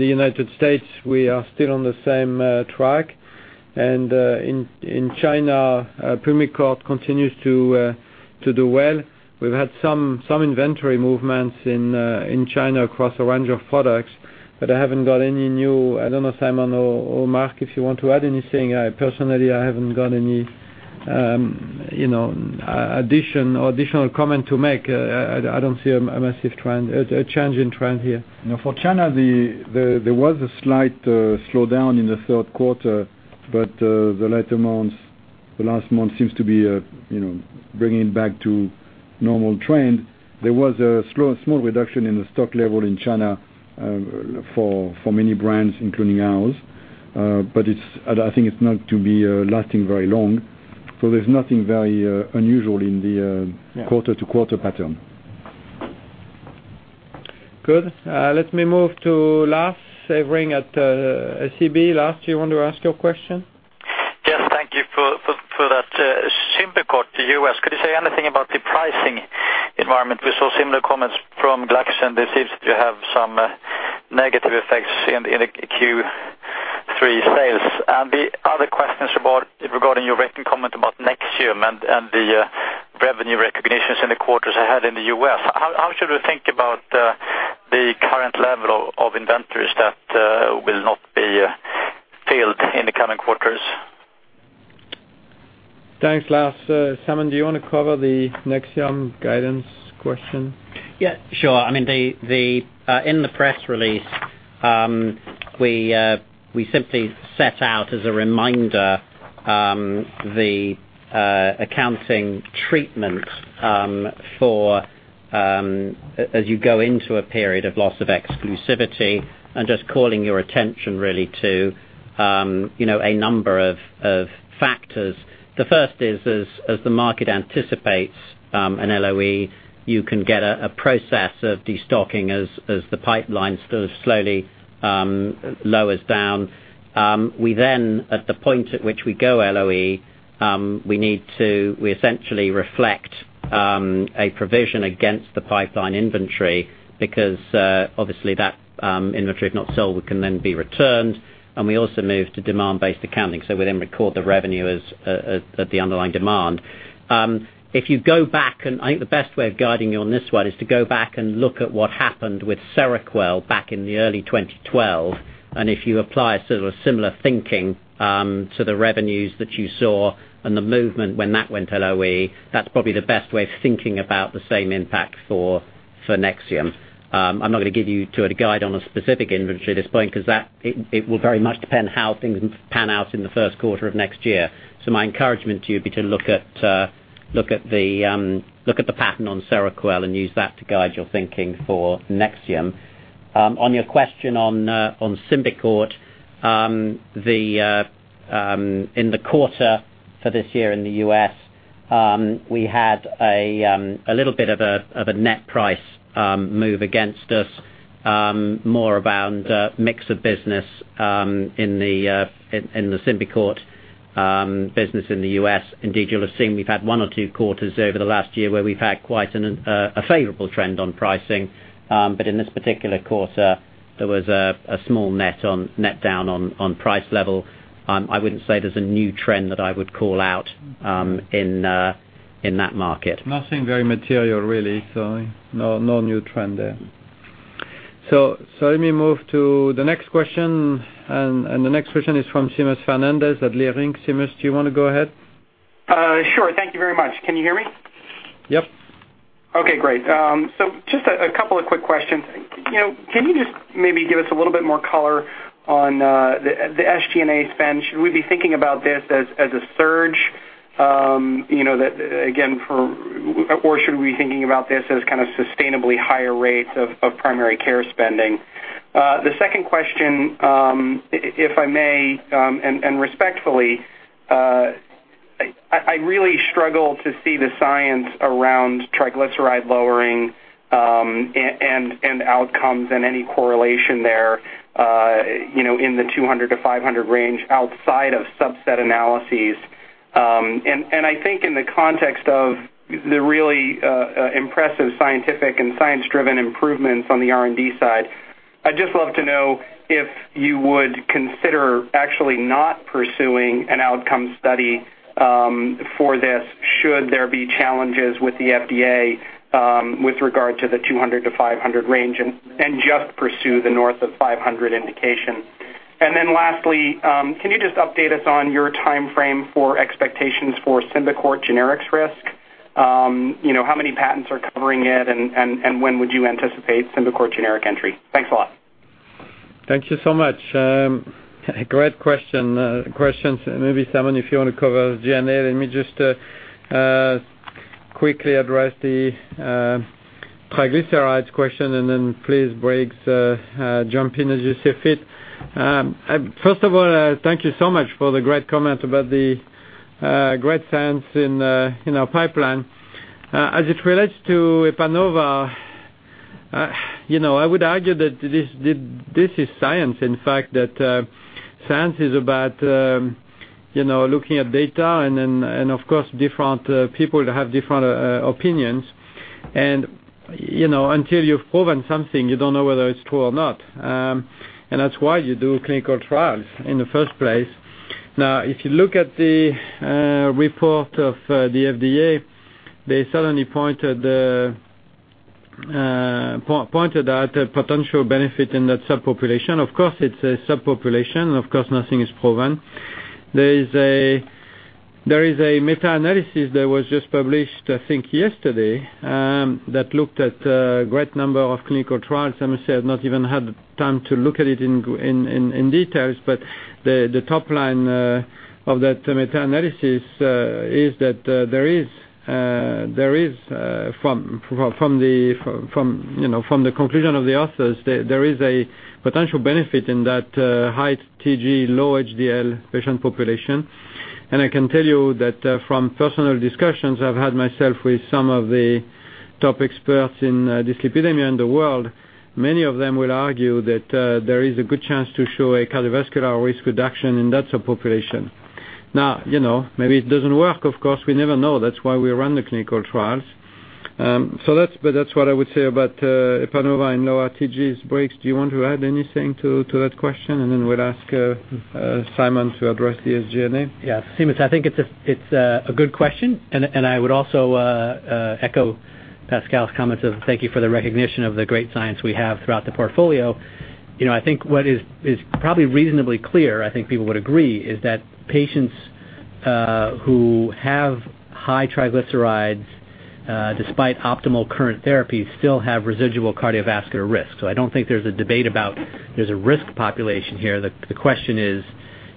the U.S., we are still on the same track. In China, Pulmicort continues to do well. We've had some inventory movements in China across a range of products, but I haven't got any new. I don't know, Simon or Marc, if you want to add anything. Personally, I haven't got any additional comment to make. I don't see a massive change in trend here. For China, there was a slight slowdown in the third quarter. The last month seems to be bringing it back to normal trend. There was a small reduction in the stock level in China for many brands, including ours. I think it's not to be lasting very long. There's nothing very unusual in the quarter-over-quarter pattern. Good. Let me move to Lars Hevreng at SEB. Lars, do you want to ask your question? Yes, thank you for that. Symbicort U.S., could you say anything about the pricing environment? We saw similar comments from GlaxoSmithKline, this seems to have some negative effects in the Q3 sales. The other question is regarding your recent comment about NEXIUM and the revenue recognitions in the quarters ahead in the U.S. How should we think about the current level of inventories that will not be filled in the coming quarters? Thanks, Lars. Simon, do you want to cover the NEXIUM guidance question? Yeah, sure. In the press release, we simply set out as a reminder the accounting treatment as you go into a period of loss of exclusivity and just calling your attention really to a number of factors. The first is as the market anticipates an LOE, you can get a process of destocking as the pipeline sort of slowly lowers down. We then, at the point at which we go LOE, we essentially reflect a provision against the pipeline inventory because obviously that inventory, if not sold, can then be returned. We also move to demand-based accounting. We then record the revenue at the underlying demand. I think the best way of guiding you on this one is to go back and look at what happened with Seroquel back in early 2012. If you apply sort of similar thinking to the revenues that you saw and the movement when that went LOE, that's probably the best way of thinking about the same impact for NEXIUM. I'm not going to give you a guide on a specific inventory at this point, because it will very much depend how things pan out in the first quarter of next year. My encouragement to you would be to look at the pattern on Seroquel and use that to guide your thinking for NEXIUM. On your question on Symbicort, in the quarter for this year in the U.S., we had a little bit of a net price move against us more around a mix of business in the Symbicort business in the U.S. Indeed, you'll have seen we've had one or two quarters over the last year where we've had quite a favorable trend on pricing. In this particular quarter, there was a small net down on price level. I wouldn't say there's a new trend that I would call out in that market. Nothing very material, really. No new trend there. Let me move to the next question. The next question is from Seamus Fernandez at Leerink. Seamus, do you want to go ahead? Sure. Thank you very much. Can you hear me? Yep. Okay, great. Just a couple of quick questions. Can you just maybe give us a little bit more color on the SG&A spend? Should we be thinking about this as a surge, again, or should we be thinking about this as kind of sustainably higher rates of primary care spending? The second question, if I may, and respectfully, I really struggle to see the science around triglyceride lowering and outcomes and any correlation there in the 200-500 range outside of subset analyses. I think in the context of the really impressive scientific and science-driven improvements on the R&D side, I'd just love to know if you would consider actually not pursuing an outcome study for this, should there be challenges with the FDA with regard to the 200-500 range, and just pursue the north of 500 indication. Lastly, can you just update us on your timeframe for expectations for Symbicort generics risk? How many patents are covering it, and when would you anticipate Symbicort generic entry? Thanks a lot. Thank you so much. Great questions. Maybe, Simon, if you want to cover G&A. Let me just quickly address the triglycerides question. Please, Briggs, jump in as you see fit. First of all, thank you so much for the great comment about the great science in our pipeline. As it relates to Epanova, I would argue that this is science. In fact, science is about looking at data, of course, different people have different opinions. Until you've proven something, you don't know whether it's true or not. That's why you do clinical trials in the first place. If you look at the report of the FDA, they certainly pointed out a potential benefit in that subpopulation. Of course, it's a subpopulation. Of course, nothing is proven. There is a meta-analysis that was just published, I think, yesterday, that looked at a great number of clinical trials. I must say I've not even had time to look at it in details, but the top line of that meta-analysis is that there is, from the conclusion of the authors, there is a potential benefit in that high TG, low HDL patient population. I can tell you that from personal discussions I've had myself with some of the top experts in dyslipidemia in the world, many of them will argue that there is a good chance to show a cardiovascular risk reduction in that subpopulation. Maybe it doesn't work. Of course, we never know. That's why we run the clinical trials. That's what I would say about Epanova and lower TGs. Briggs, do you want to add anything to that question? We'll ask Simon to address the SG&A. Yes. Seamus, I think it's a good question. I would also echo Pascal's comments of thank you for the recognition of the great science we have throughout the portfolio. I think what is probably reasonably clear, I think people would agree, is that patients who have high triglycerides, despite optimal current therapies, still have residual cardiovascular risk. I don't think there's a debate about there's a risk population here. The question is,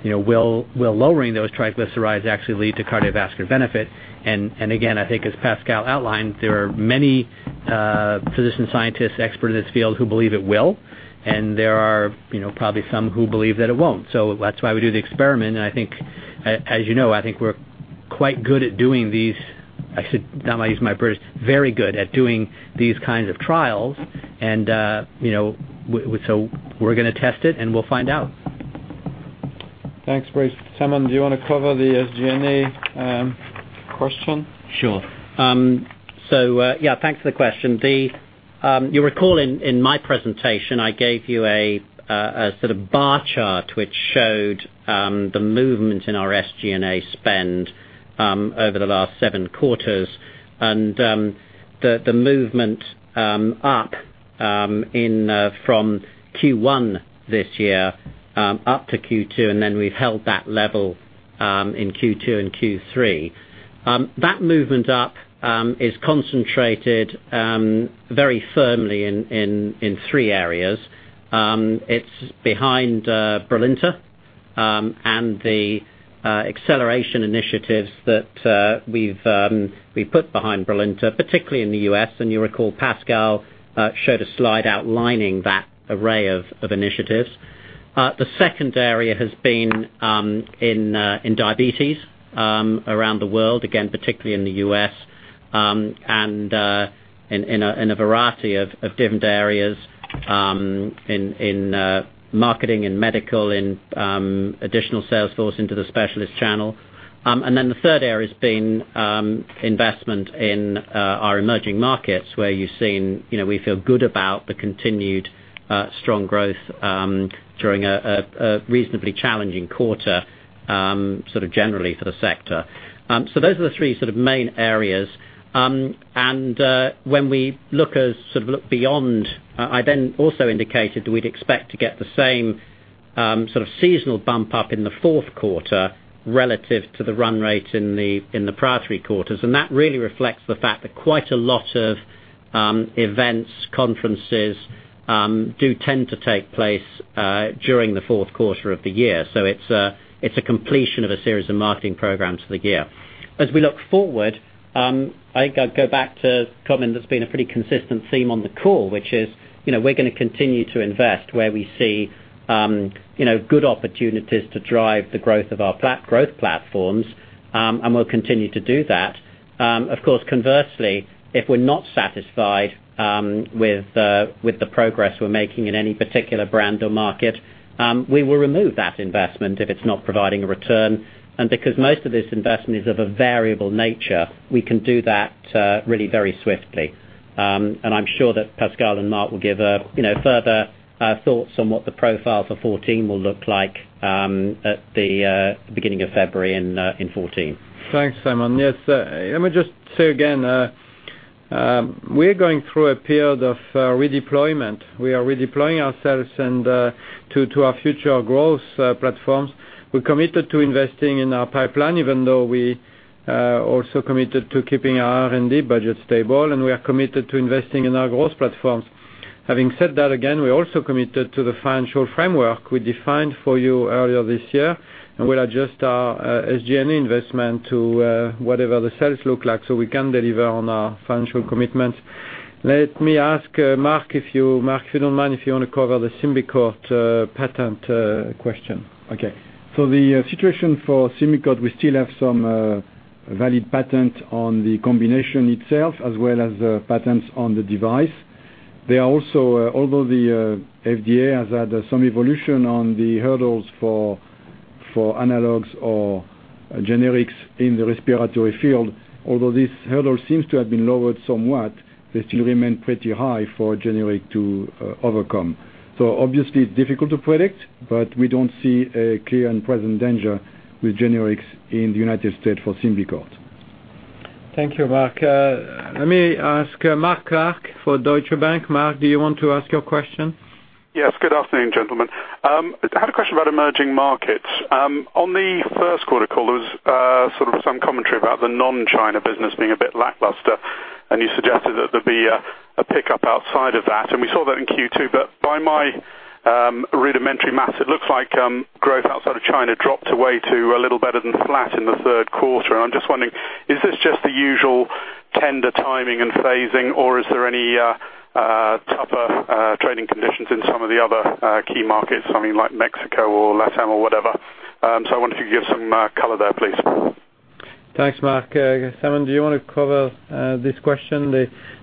will lowering those triglycerides actually lead to cardiovascular benefit? Again, I think as Pascal outlined, there are many physician scientists, experts in this field, who believe it will, and there are probably some who believe that it won't. That's why we do the experiment, and I think, as you know, I think we're quite good at doing these. I should not use my words, very good at doing these kinds of trials. We're going to test it. We'll find out. Thanks, Briggs. Simon, do you want to cover the SG&A question? Sure. Yeah, thanks for the question. You'll recall in my presentation, I gave you a sort of bar chart which showed the movement in our SG&A spend over the last 7 quarters. The movement up from Q1 this year up to Q2, and then we've held that level in Q2 and Q3. That movement up is concentrated very firmly in 3 areas. It's behind Brilinta, and the acceleration initiatives that we've put behind Brilinta, particularly in the U.S. You recall Pascal showed a slide outlining that array of initiatives. The second area has been in diabetes around the world, again, particularly in the U.S., and in a variety of different areas in marketing and medical, in additional sales force into the specialist channel. The third area has been investment in our emerging markets where you've seen we feel good about the continued strong growth during a reasonably challenging quarter generally for the sector. Those are the three sort of main areas. When we look beyond, I then also indicated we'd expect to get the same sort of seasonal bump up in the fourth quarter relative to the run rate in the prior three quarters, and that really reflects the fact that quite a lot of events, conferences, do tend to take place during the fourth quarter of the year. It's a completion of a series of marketing programs for the year. As we look forward, I think I'd go back to a comment that's been a pretty consistent theme on the call, which is, we're going to continue to invest where we see good opportunities to drive the growth of our growth platforms, and we'll continue to do that. Of course, conversely, if we're not satisfied with the progress we're making in any particular brand or market, we will remove that investment if it's not providing a return. Because most of this investment is of a variable nature, we can do that really very swiftly. I'm sure that Pascal and Marc will give further thoughts on what the profile for 2014 will look like at the beginning of February in 2014. Thanks, Simon. Yes. Let me just say again, we're going through a period of redeployment. We are redeploying ourselves to our future growth platforms. We're committed to investing in our pipeline, even though we also committed to keeping our R&D budget stable, we are committed to investing in our growth platforms. Having said that, again, we're also committed to the financial framework we defined for you earlier this year, and we'll adjust our SG&A investment to whatever the sales look like so we can deliver on our financial commitments. Let me ask Marc, if you don't mind, if you want to cover the Symbicort patent question. Okay. The situation for Symbicort, we still have some valid patent on the combination itself as well as patents on the device. Although the FDA has had some evolution on the hurdles for analogs or generics in the respiratory field, although this hurdle seems to have been lowered somewhat, they still remain pretty high for a generic to overcome. Obviously, it's difficult to predict, but we don't see a clear and present danger with generics in the United States for Symbicort. Thank you, Marc. Let me ask Mark Clark for Deutsche Bank. Mark, do you want to ask your question? Yes. Good afternoon, gentlemen. I had a question about emerging markets. On the first quarter call, there was sort of some commentary about the non-China business being a bit lackluster, and you suggested that there'd be a pickup outside of that, and we saw that in Q2. By my rudimentary maths, it looks like growth outside of China dropped away to a little better than flat in the third quarter. I'm just wondering, is this just the usual tender timing and phasing, or is there any tougher trading conditions in some of the other key markets, something like Mexico or LATAM or whatever? I wonder if you could give some color there, please. Thanks, Mark. Simon, do you want to cover this question?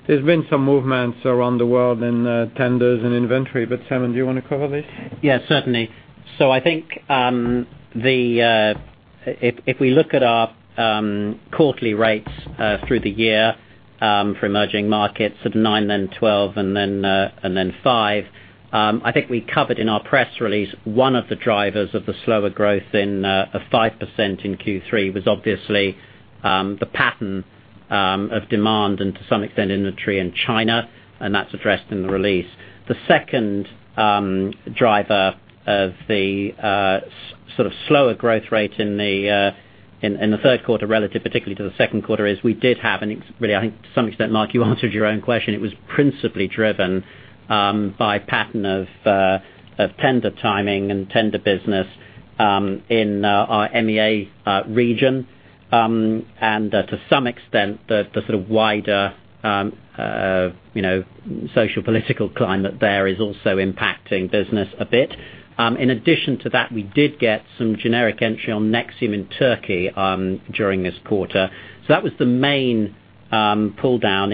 There's been some movements around the world in tenders and inventory, Simon, do you want to cover this? Certainly. I think if we look at our quarterly rates through the year for emerging markets at nine, then 12, and then five, I think we covered in our press release, one of the drivers of the slower growth in a 5% in Q3 was obviously the pattern of demand and to some extent inventory in China, and that's addressed in the release. The second driver of the sort of slower growth rate in the third quarter relative particularly to the second quarter is we did have, really, I think to some extent, Mark, you answered your own question. It was principally driven by pattern of tender timing and tender business in our MEA region. To some extent, the sort of wider social-political climate there is also impacting business a bit. In addition to that, we did get some generic entry on NEXIUM in Turkey during this quarter. That was the main pull down.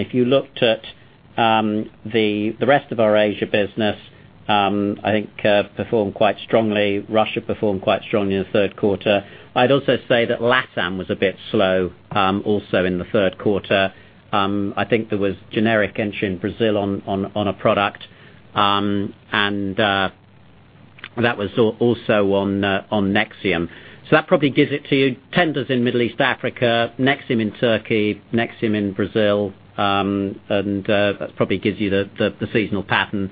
The rest of our Asia business, I think performed quite strongly. Russia performed quite strongly in the third quarter. I'd also say that LATAM was a bit slow also in the third quarter. I think there was generic entry in Brazil on a product. That was also on NEXIUM. That probably gives it to you. Tenders in Middle East, Africa, NEXIUM in Turkey, NEXIUM in Brazil, that probably gives you the seasonal pattern.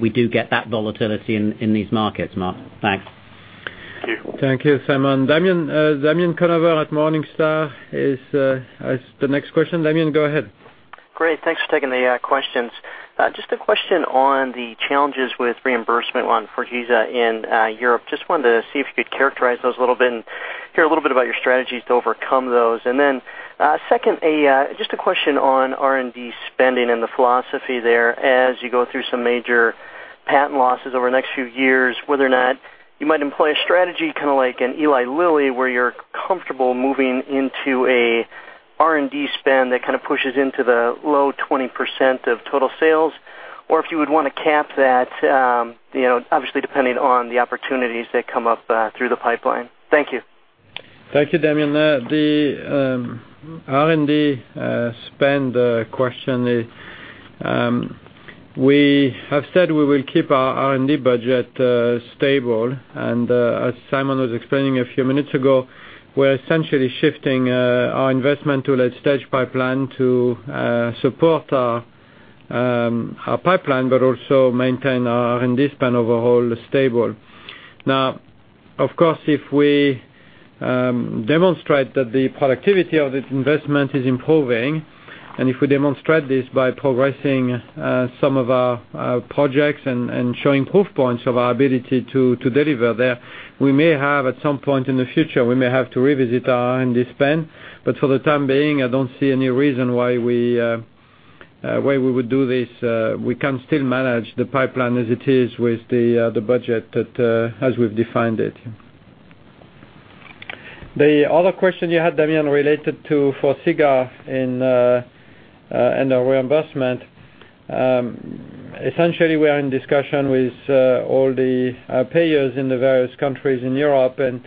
We do get that volatility in these markets, Mark. Thanks. Thank you, Simon. Damian Conover at Morningstar is the next question. Damian, go ahead. Great. Thanks for taking the questions. Just a question on the challenges with reimbursement on Forxiga in Europe. Just wanted to see if you could characterize those a little bit and hear a little bit about your strategies to overcome those. Second, just a question on R&D spending and the philosophy there. As you go through some major patent losses over the next few years, whether or not you might employ a strategy, kind of like in Eli Lilly, where you're comfortable moving into an R&D spend that kind of pushes into the low 20% of total sales, or if you would want to cap that, obviously depending on the opportunities that come up through the pipeline. Thank you. Thank you, Damian. The R&D spend question. We have said we will keep our R&D budget stable. As Simon was explaining a few minutes ago, we're essentially shifting our investment to late-stage pipeline to support our pipeline but also maintain our R&D spend overall stable. Of course, if we demonstrate that the productivity of this investment is improving, if we demonstrate this by progressing some of our projects and showing proof points of our ability to deliver there, we may have at some point in the future, we may have to revisit our R&D spend. For the time being, I don't see any reason why we would do this. We can still manage the pipeline as it is with the budget as we've defined it. The other question you had, Damian, related to Forxiga and the reimbursement. Essentially, we are in discussion with all the payers in the various countries in Europe and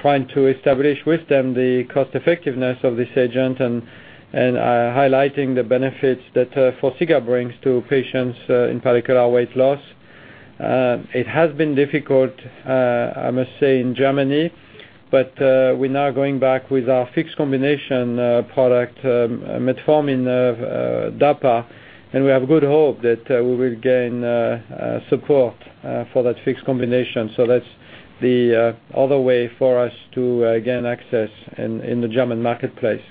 trying to establish with them the cost effectiveness of this agent and highlighting the benefits that Forxiga brings to patients, in particular weight loss. It has been difficult, I must say, in Germany, but we're now going back with our fixed combination product, metformin dapa, and we have good hope that we will gain support for that fixed combination. That's the other way for us to gain access in the German marketplace.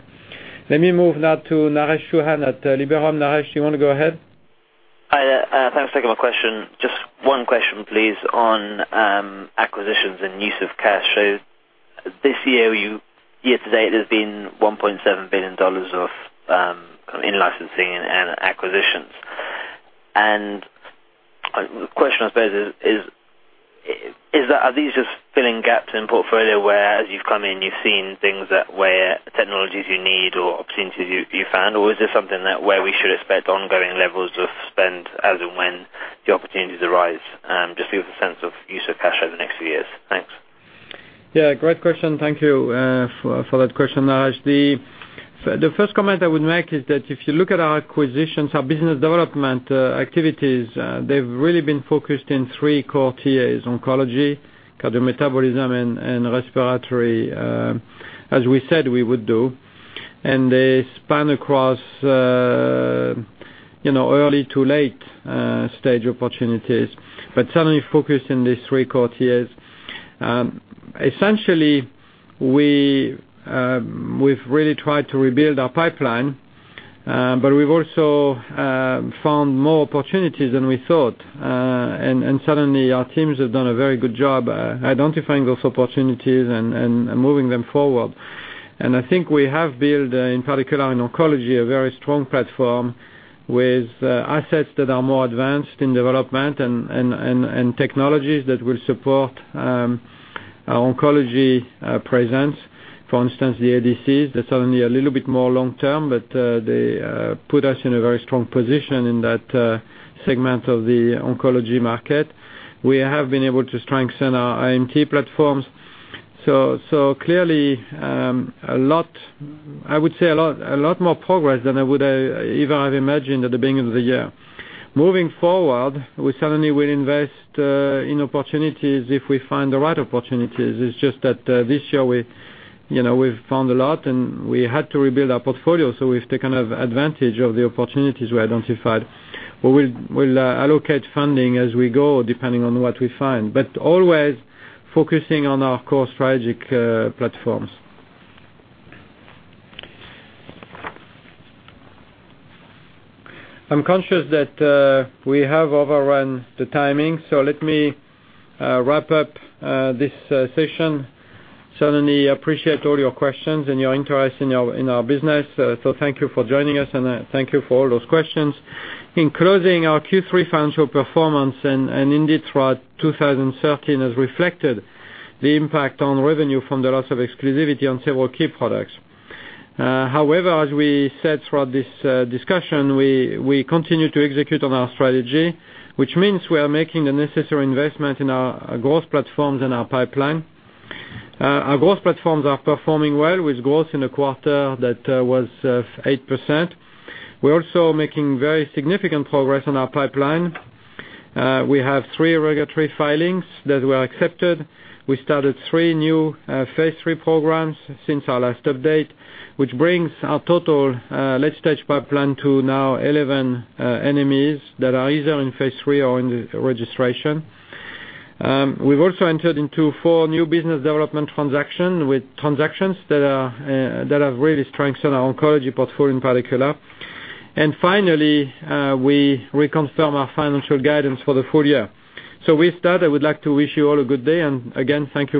Let me move now to Naresh Chouhan at Liberum. Naresh, you want to go ahead? Hi. Thanks for taking my question. Just one question, please, on acquisitions and use of cash. This year to date, there's been GBP 1.7 billion of in-licensing and acquisitions. The question, I suppose is, are these just filling gaps in portfolio where as you've come in, you've seen things that where technologies you need or opportunities you found? Is this something that where we should expect ongoing levels of spend as and when the opportunities arise? Just to give us a sense of use of cash over the next few years. Thanks. Great question. Thank you for that question, Naresh. The first comment I would make is that if you look at our acquisitions, our business development activities, they've really been focused in three core TAs, oncology, cardiometabolism, and respiratory, as we said we would do. They span across early to late stage opportunities, but certainly focused in these three core TAs. Essentially, we've really tried to rebuild our pipeline, but we've also found more opportunities than we thought. Certainly, our teams have done a very good job identifying those opportunities and moving them forward. I think we have built, in particular in oncology, a very strong platform with assets that are more advanced in development and technologies that will support our oncology presence. For instance, the ADCs, they're certainly a little bit more long-term, but they put us in a very strong position in that segment of the oncology market. We have been able to strengthen our immuno-oncology platforms. Clearly, I would say a lot more progress than I would even have imagined at the beginning of the year. Moving forward, we certainly will invest in opportunities if we find the right opportunities. It's just that this year we've found a lot, and we had to rebuild our portfolio, so we've taken advantage of the opportunities we identified. We'll allocate funding as we go, depending on what we find, but always focusing on our core strategic platforms. I'm conscious that we have overrun the timing, so let me wrap up this session. Certainly appreciate all your questions and your interest in our business. Thank you for joining us, and thank you for all those questions. In closing, our Q3 financial performance and indeed throughout 2013 has reflected the impact on revenue from the loss of exclusivity on several key products. As we said throughout this discussion, we continue to execute on our strategy, which means we are making the necessary investment in our growth platforms and our pipeline. Our growth platforms are performing well with growth in a quarter that was 8%. We're also making very significant progress on our pipeline. We have three regulatory filings that were accepted. We started three new phase III programs since our last update, which brings our total late-stage pipeline to now 11 NMEs that are either in phase III or in the registration. We've also entered into four new business development transactions that have really strengthened our oncology portfolio in particular. Finally, we reconfirm our financial guidance for the full year. With that, I would like to wish you all a good day, and again, thank you.